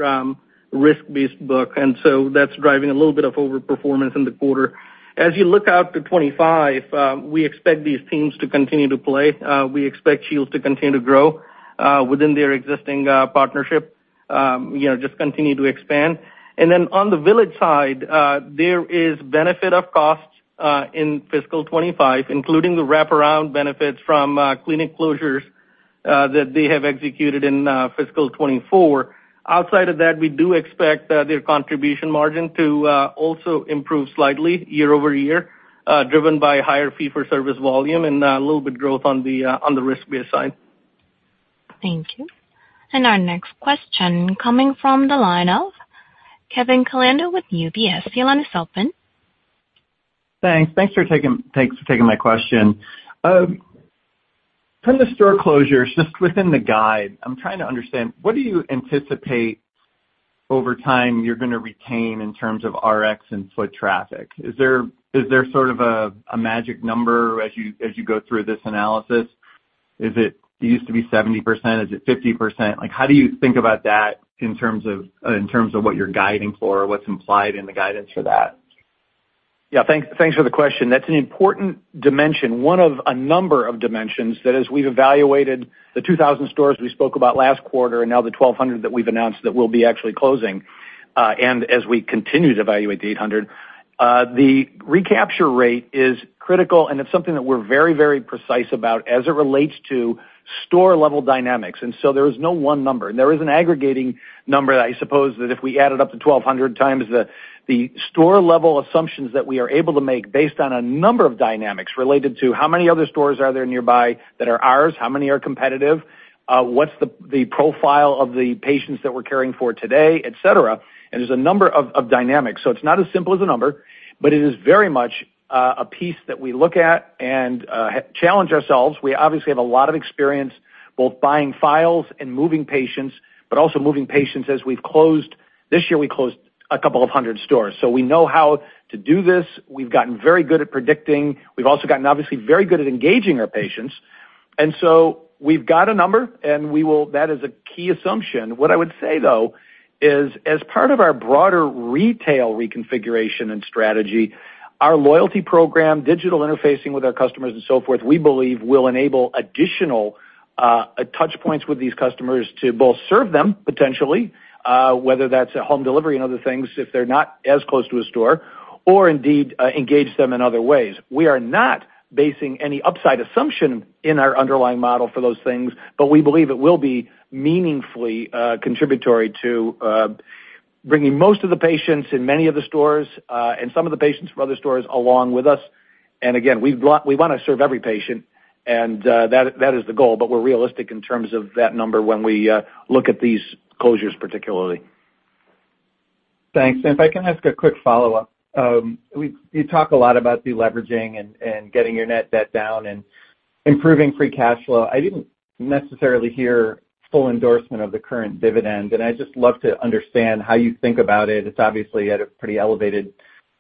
risk-based book, and so that's driving a little bit of overperformance in the quarter. As you look out to 2025, we expect these themes to continue to play. We expect Shields to continue to grow, within their existing, partnership, you know, just continue to expand. And then on the Village side, there is benefit of cost in fiscal 2025, including the wraparound benefits from clinic closures that they have executed in fiscal 2024. Outside of that, we do expect their contribution margin to also improve slightly year-over-year, driven by higher fee-for-service volume and a little bit growth on the risk-based side. Thank you. And our next question coming from the line of Kevin Caliendo with UBS. Your line is open. Thanks for taking my question. From the store closures, just within the guide, I'm trying to understand what do you anticipate over time you're gonna retain in terms of Rx and foot traffic? Is there sort of a magic number as you go through this analysis? Is it, it used to be 70%, is it 50%? Like, how do you think about that in terms of what you're guiding for or what's implied in the guidance for that? Yeah, thanks, thanks for the question. That's an important dimension, one of a number of dimensions that as we've evaluated the 2,000 stores we spoke about last quarter, and now the 1,200 that we've announced that we'll be actually closing, and as we continue to evaluate the 800, the recapture rate is critical, and it's something that we're very, very precise about as it relates to store level dynamics, and so there is no one number. There is an aggregating number that I suppose that if we added up to 1,200 times, the store level assumptions that we are able to make based on a number of dynamics related to how many other stores are there nearby that are ours, how many are competitive, what's the profile of the patients that we're caring for today, et cetera. There's a number of dynamics. So it's not as simple as a number, but it is very much a piece that we look at and challenge ourselves. We obviously have a lot of experience, both buying files and moving patients, but also moving patients as we've closed. This year, we closed a couple of hundred stores. So we know how to do this. We've gotten very good at predicting. We've also gotten, obviously, very good at engaging our patients. And so we've got a number, and we will. That is a key assumption. What I would say, though, is as part of our broader retail reconfiguration and strategy, our loyalty program, digital interfacing with our customers and so forth, we believe will enable additional touchpoints with these customers to both serve them potentially, whether that's a home delivery and other things, if they're not as close to a store, or indeed, engage them in other ways. We are not basing any upside assumption in our underlying model for those things, but we believe it will be meaningfully contributory to bringing most of the patients in many of the stores, and some of the patients from other stores along with us, and again, we wanna serve every patient, and that is the goal, but we're realistic in terms of that number when we look at these closures, particularly. Thanks. If I can ask a quick follow-up. You talk a lot about deleveraging and getting your net debt down and improving free cash flow. I didn't necessarily hear full endorsement of the current dividend, and I'd just love to understand how you think about it. It's obviously at a pretty elevated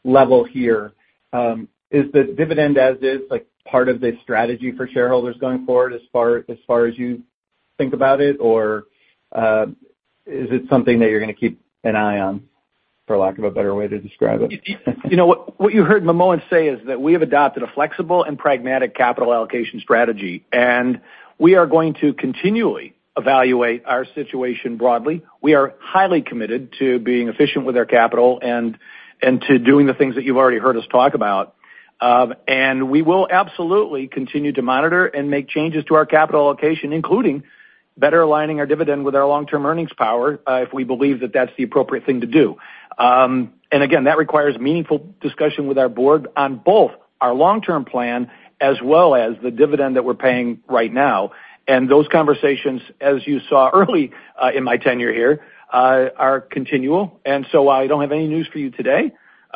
level here. Is the dividend as is, like, part of the strategy for shareholders going forward as far as you think about it? Or, is it something that you're gonna keep an eye on, for lack of a better way to describe it? You know what? What you heard Manmohan say is that we have adopted a flexible and pragmatic capital allocation strategy, and we are going to continually evaluate our situation broadly. We are highly committed to being efficient with our capital and to doing the things that you've already heard us talk about. And we will absolutely continue to monitor and make changes to our capital allocation, including better aligning our dividend with our long-term earnings power, if we believe that that's the appropriate thing to do. And again, that requires meaningful discussion with our board on both our long-term plan as well as the dividend that we're paying right now. And those conversations, as you saw early in my tenure here, are continual, and so I don't have any news for you today.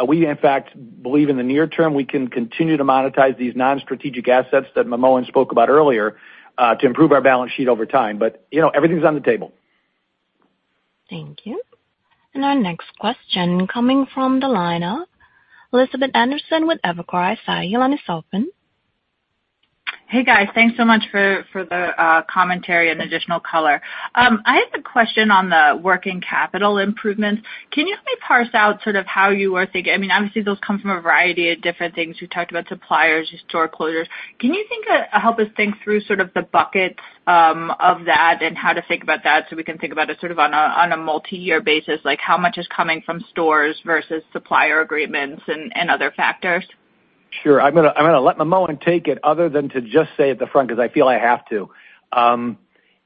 We, in fact, believe in the near term we can continue to monetize these non-strategic assets that Manmohan spoke about earlier to improve our balance sheet over time. But, you know, everything's on the table. Thank you, and our next question coming from the line of Elizabeth Anderson with Evercore ISI. Your line is open. Hey, guys. Thanks so much for the commentary and additional color. I have a question on the working capital improvements. Can you help me parse out sort of how you are thinking? I mean, obviously, those come from a variety of different things. You talked about suppliers, store closures. Can you help us think through sort of the buckets of that and how to think about that so we can think about it sort of on a multi-year basis, like how much is coming from stores versus supplier agreements and other factors? Sure. I'm gonna let Manmohan take it, other than to just say at the front, because I feel I have to.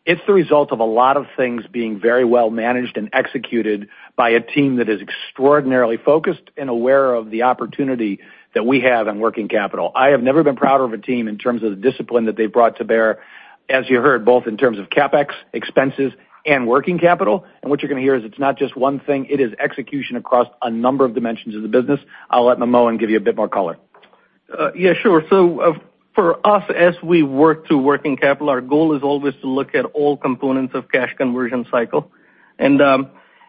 It's the result of a lot of things being very well managed and executed by a team that is extraordinarily focused and aware of the opportunity that we have in working capital. I have never been prouder of a team in terms of the discipline that they've brought to bear, as you heard, both in terms of CapEx, expenses, and working capital. What you're gonna hear is it's not just one thing, it is execution across a number of dimensions of the business. I'll let Manmohan give you a bit more color. Yeah, sure. So, for us, as we work through working capital, our goal is always to look at all components of cash conversion cycle, and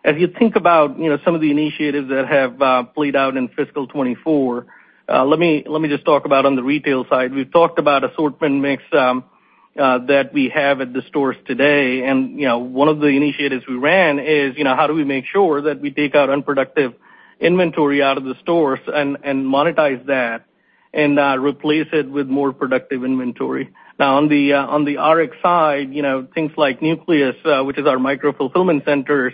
as you think about, you know, some of the initiatives that have played out in fiscal 2024, let me just talk about on the retail side. We've talked about assortment mix that we have at the stores today, and, you know, one of the initiatives we ran is, you know, how do we make sure that we take our unproductive inventory out of the stores and monetize that and replace it with more productive inventory? Now, on the Rx side, you know, things like Nucleus, which is our micro-fulfillment centers,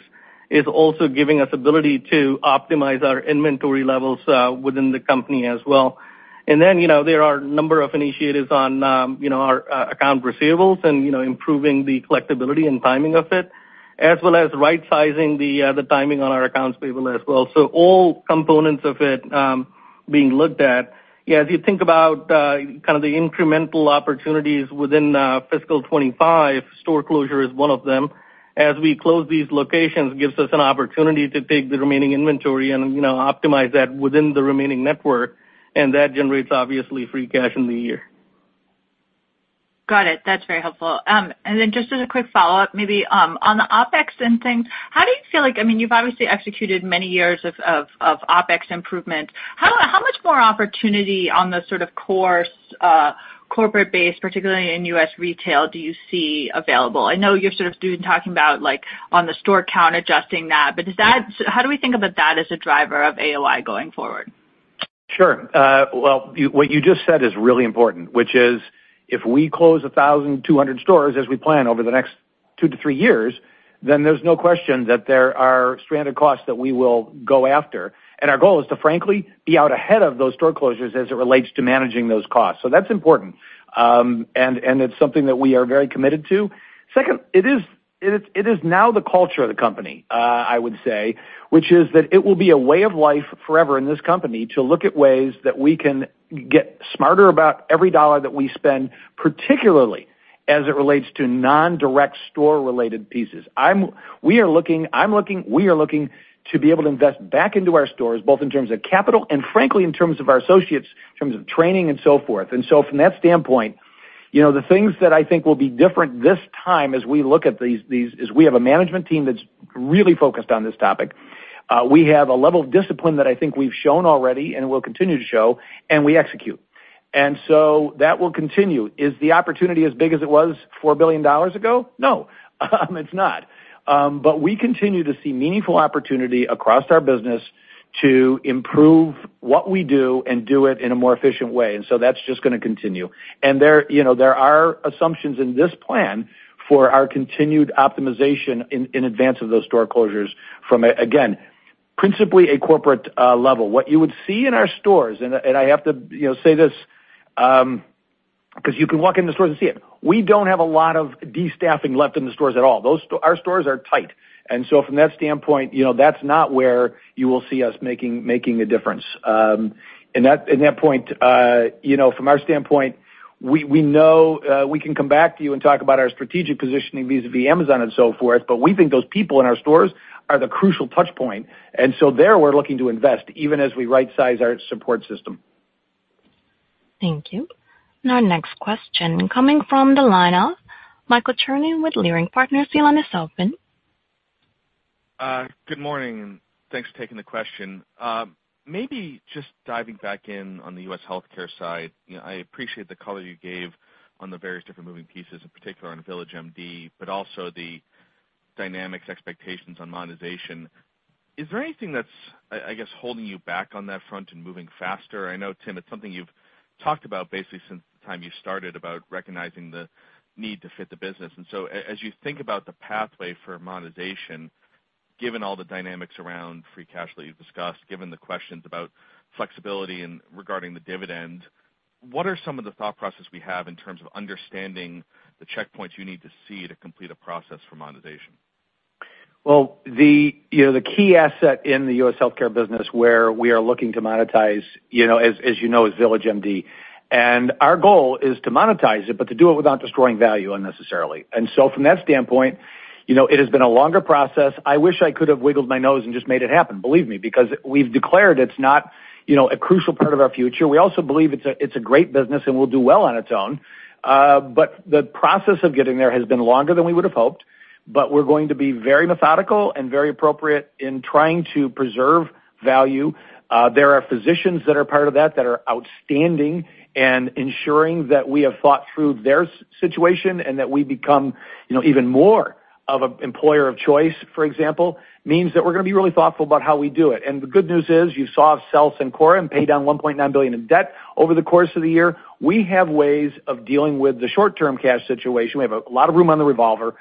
is also giving us ability to optimize our inventory levels within the company as well. And then, you know, there are a number of initiatives on, you know, our account receivables and, you know, improving the collectibility and timing of it, as well as right-sizing the timing on our accounts payable as well. So all components of it being looked at. Yeah, as you think about kind of the incremental opportunities within fiscal 2025, store closure is one of them. As we close these locations, it gives us an opportunity to take the remaining inventory and, you know, optimize that within the remaining network, and that generates, obviously, free cash in the year. Got it. That's very helpful. And then just as a quick follow-up, maybe, on the OpEx and things, how do you feel like... I mean, you've obviously executed many years of OpEx improvement. How much more opportunity on the sort of core corporate base, particularly in U.S. Retail, do you see available? I know you're sort of doing, talking about, like, on the store count, adjusting that, but how do we think about that as a driver of AOI going forward? Sure. Well, what you just said is really important, which is, if we close 1,200 stores, as we plan over the next two to three years, then there's no question that there are stranded costs that we will go after. And our goal is to frankly be out ahead of those store closures as it relates to managing those costs. So that's important, and it's something that we are very committed to. Second, it is now the culture of the company, I would say, which is that it will be a way of life forever in this company to look at ways that we can get smarter about every dollar that we spend, particularly as it relates to non-direct store-related pieces. We are looking to be able to invest back into our stores, both in terms of capital and frankly, in terms of our associates, in terms of training and so forth. And so from that standpoint, you know, the things that I think will be different this time as we look at these is we have a management team that's really focused on this topic. We have a level of discipline that I think we've shown already and will continue to show, and we execute. And so that will continue. Is the opportunity as big as it was $4 billion ago? No, it's not. But we continue to see meaningful opportunity across our business to improve what we do and do it in a more efficient way, and so that's just gonna continue. There, you know, there are assumptions in this plan for our continued optimization in advance of those store closures from a, again, principally a corporate level. What you would see in our stores, and I have to, you know, say this, because you can walk into stores and see it. We don't have a lot of destaffing left in the stores at all. Our stores are tight, and so from that standpoint, you know, that's not where you will see us making a difference, and that at that point, you know, from our standpoint, we know we can come back to you and talk about our strategic positioning vis-a-vis Amazon and so forth, but we think those people in our stores are the crucial touch point. And so there, we're looking to invest even as we rightsize our support system. Thank you. And our next question coming from the line of Michael Cherny with Leerink Partners. Your line is open. Good morning, and thanks for taking the question. Maybe just diving back in on the U.S. Healthcare side. You know, I appreciate the color you gave on the various different moving pieces, in particular on VillageMD, but also the dynamics, expectations on monetization. Is there anything that's, I guess, holding you back on that front and moving faster? I know, Tim, it's something you've talked about basically since the time you started, about recognizing the need to fit the business. And so as you think about the pathway for monetization, given all the dynamics around free cash flow you've discussed, given the questions about flexibility and regarding the dividend, what are some of the thought processes we have in terms of understanding the checkpoints you need to see to complete a process for monetization? You know, the key asset in the U.S. Healthcare business where we are looking to monetize, you know, as you know, is VillageMD, and our goal is to monetize it, but to do it without destroying value unnecessarily. From that standpoint, you know, it has been a longer process. I wish I could have wiggled my nose and just made it happen, believe me, because we've declared it's not, you know, a crucial part of our future. We also believe it's a great business and will do well on its own, but the process of getting there has been longer than we would have hoped, but we're going to be very methodical and very appropriate in trying to preserve value. There are physicians that are part of that, that are outstanding and ensuring that we have thought through their situation and that we become, you know, even more of an employer of choice, for example, means that we're gonna be really thoughtful about how we do it, and the good news is, you saw us sell Cencora and pay down $1.9 billion in debt over the course of the year. We have ways of dealing with the short-term cash situation. We have a lot of room on the revolver,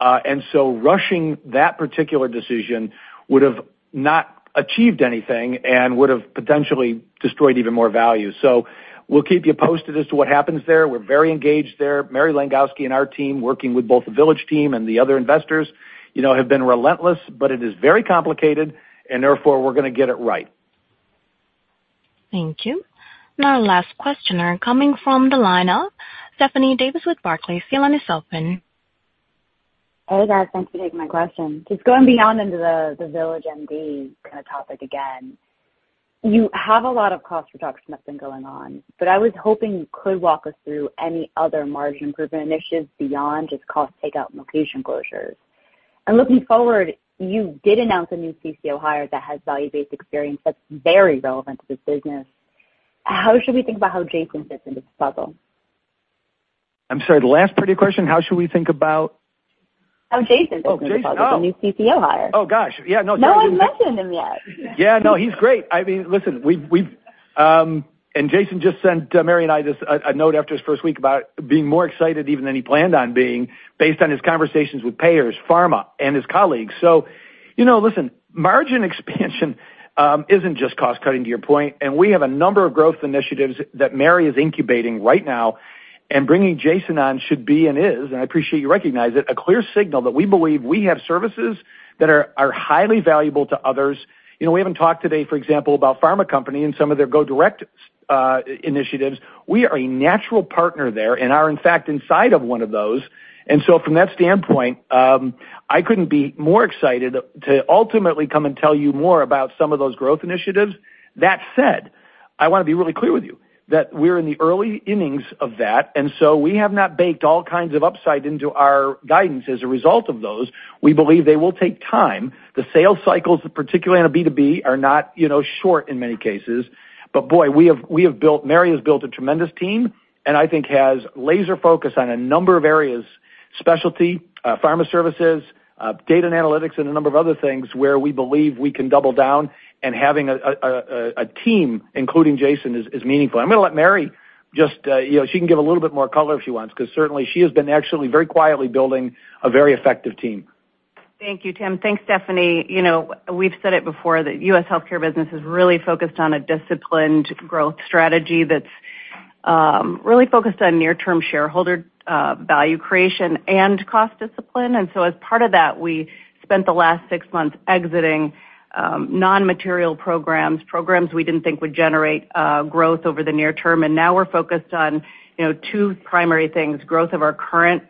and so rushing that particular decision would have not achieved anything and would have potentially destroyed even more value, so we'll keep you posted as to what happens there. We're very engaged there. Mary Langowski and our team, working with both the Village team and the other investors, you know, have been relentless, but it is very complicated and therefore, we're gonna get it right. Thank you. Now, our last questioner coming from the line of Stephanie Davis with Barclays. Your line is open. Hey, guys. Thanks for taking my question. Just going beyond into the VillageMD kind of topic again, you have a lot of cost reduction that's been going on, but I was hoping you could walk us through any other margin improvement initiatives beyond just cost takeout and location closures. And looking forward, you did announce a new CCO hire that has value-based experience that's very relevant to this business. How should we think about how Jason fits into this puzzle? I'm sorry, the last part of your question, how should we think about? How Jason fits into the puzzle. Oh, Jason! Oh. The new CCO hire. Oh, gosh. Yeah, no, no. No one's mentioned him yet. Yeah, no, he's great. I mean, listen, and Jason just sent Mary and I this a note after his first week about being more excited even than he planned on being, based on his conversations with payers, pharma, and his colleagues. So, you know, listen, margin expansion isn't just cost-cutting, to your point, and we have a number of growth initiatives that Mary is incubating right now, and bringing Jason on should be and is, and I appreciate you recognizing it, a clear signal that we believe we have services that are highly valuable to others. You know, we haven't talked today, for example, about pharma company and some of their go direct initiatives. We are a natural partner there and are, in fact, inside of one of those. And so from that standpoint, I couldn't be more excited to ultimately come and tell you more about some of those growth initiatives. That said, I wanna be really clear with you that we're in the early innings of that, and so we have not baked all kinds of upside into our guidance as a result of those. We believe they will take time. The sales cycles, particularly on a B2B, are not, you know, short in many cases. But boy, Mary has built a tremendous team, and I think has laser focus on a number of areas, specialty, pharma services, data and analytics, and a number of other things where we believe we can double down, and having a team, including Jason, is meaningful. I'm gonna let Mary-... Just, you know, she can give a little bit more color if she wants, 'cause certainly she has been actually very quietly building a very effective team. Thank you, Tim. Thanks, Stephanie. You know, we've said it before, that U.S. Healthcare business is really focused on a disciplined growth strategy that's really focused on near-term shareholder value creation and cost discipline. And so as part of that, we spent the last six months exiting non-material programs, programs we didn't think would generate growth over the near term. And now we're focused on, you know, two primary things, growth of our current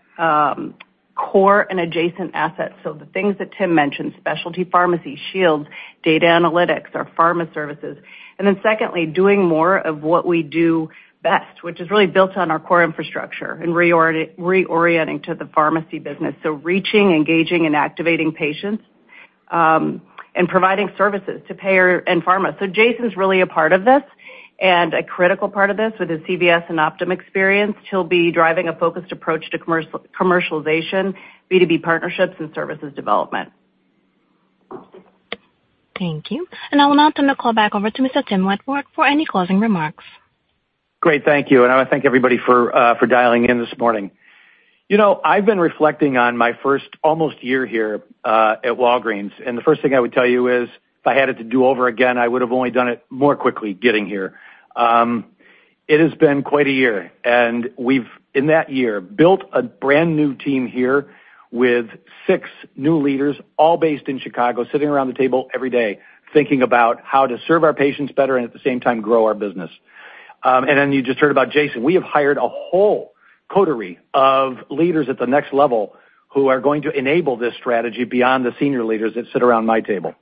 core and adjacent assets. So the things that Tim mentioned, specialty pharmacy, Shields, data analytics, our pharma services. And then secondly, doing more of what we do best, which is really built on our core infrastructure and reorienting to the pharmacy business. So reaching, engaging, and activating patients and providing services to payer and pharma. Jason's really a part of this, and a critical part of this, with his CVS and Optum experience. He'll be driving a focused approach to commercialization, B2B partnerships, and services development. Thank you, and I will now turn the call back over to Mr. Tim Wentworth for any closing remarks. Great, thank you. And I wanna thank everybody for for dialing in this morning. You know, I've been reflecting on my first almost year here at Walgreens, and the first thing I would tell you is, if I had it to do over again, I would have only done it more quickly getting here. It has been quite a year, and we've, in that year, built a brand-new team here with six new leaders, all based in Chicago, sitting around the table every day, thinking about how to serve our patients better and at the same time, grow our business. And then you just heard about Jason. We have hired a whole coterie of leaders at the next level who are going to enable this strategy beyond the senior leaders that sit around my table.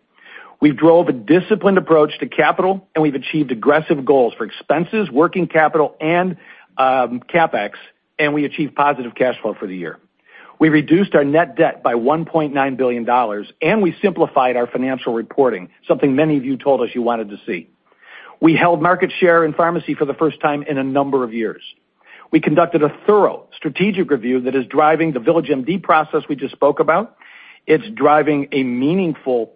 We've drove a disciplined approach to capital, and we've achieved aggressive goals for expenses, working capital, and CapEx, and we achieved positive cash flow for the year. We reduced our net debt by $1.9 billion, and we simplified our financial reporting, something many of you told us you wanted to see. We held market share in pharmacy for the first time in a number of years. We conducted a thorough strategic review that is driving the VillageMD process we just spoke about. It's driving a meaningful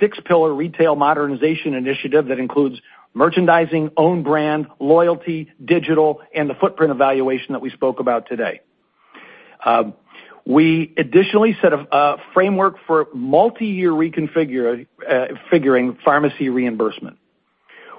six-pillar retail modernization initiative that includes merchandising, own brand, loyalty, digital, and the footprint evaluation that we spoke about today. We additionally set a framework for multiyear reconfiguring pharmacy reimbursement.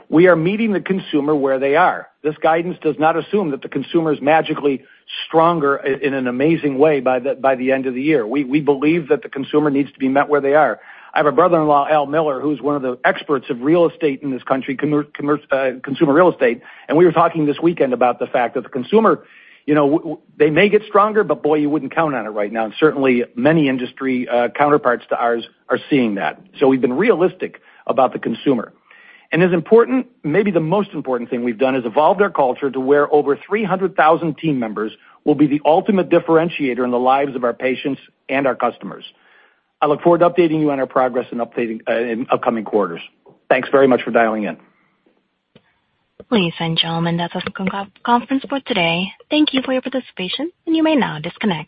We are meeting the consumer where they are. This guidance does not assume that the consumer is magically stronger in an amazing way by the end of the year. We believe that the consumer needs to be met where they are. I have a brother-in-law, Al Miller, who's one of the experts of real estate in this country, consumer real estate, and we were talking this weekend about the fact that the consumer, you know, they may get stronger, but, boy, you wouldn't count on it right now, and certainly, many industry counterparts to ours are seeing that. So we've been realistic about the consumer, and as important, maybe the most important thing we've done, is evolved our culture to where over 300,000 team members will be the ultimate differentiator in the lives of our patients and our customers. I look forward to updating you on our progress and updating in upcoming quarters. Thanks very much for dialing in. Ladies and gentlemen, that's the conference for today. Thank you for your participation, and you may now disconnect.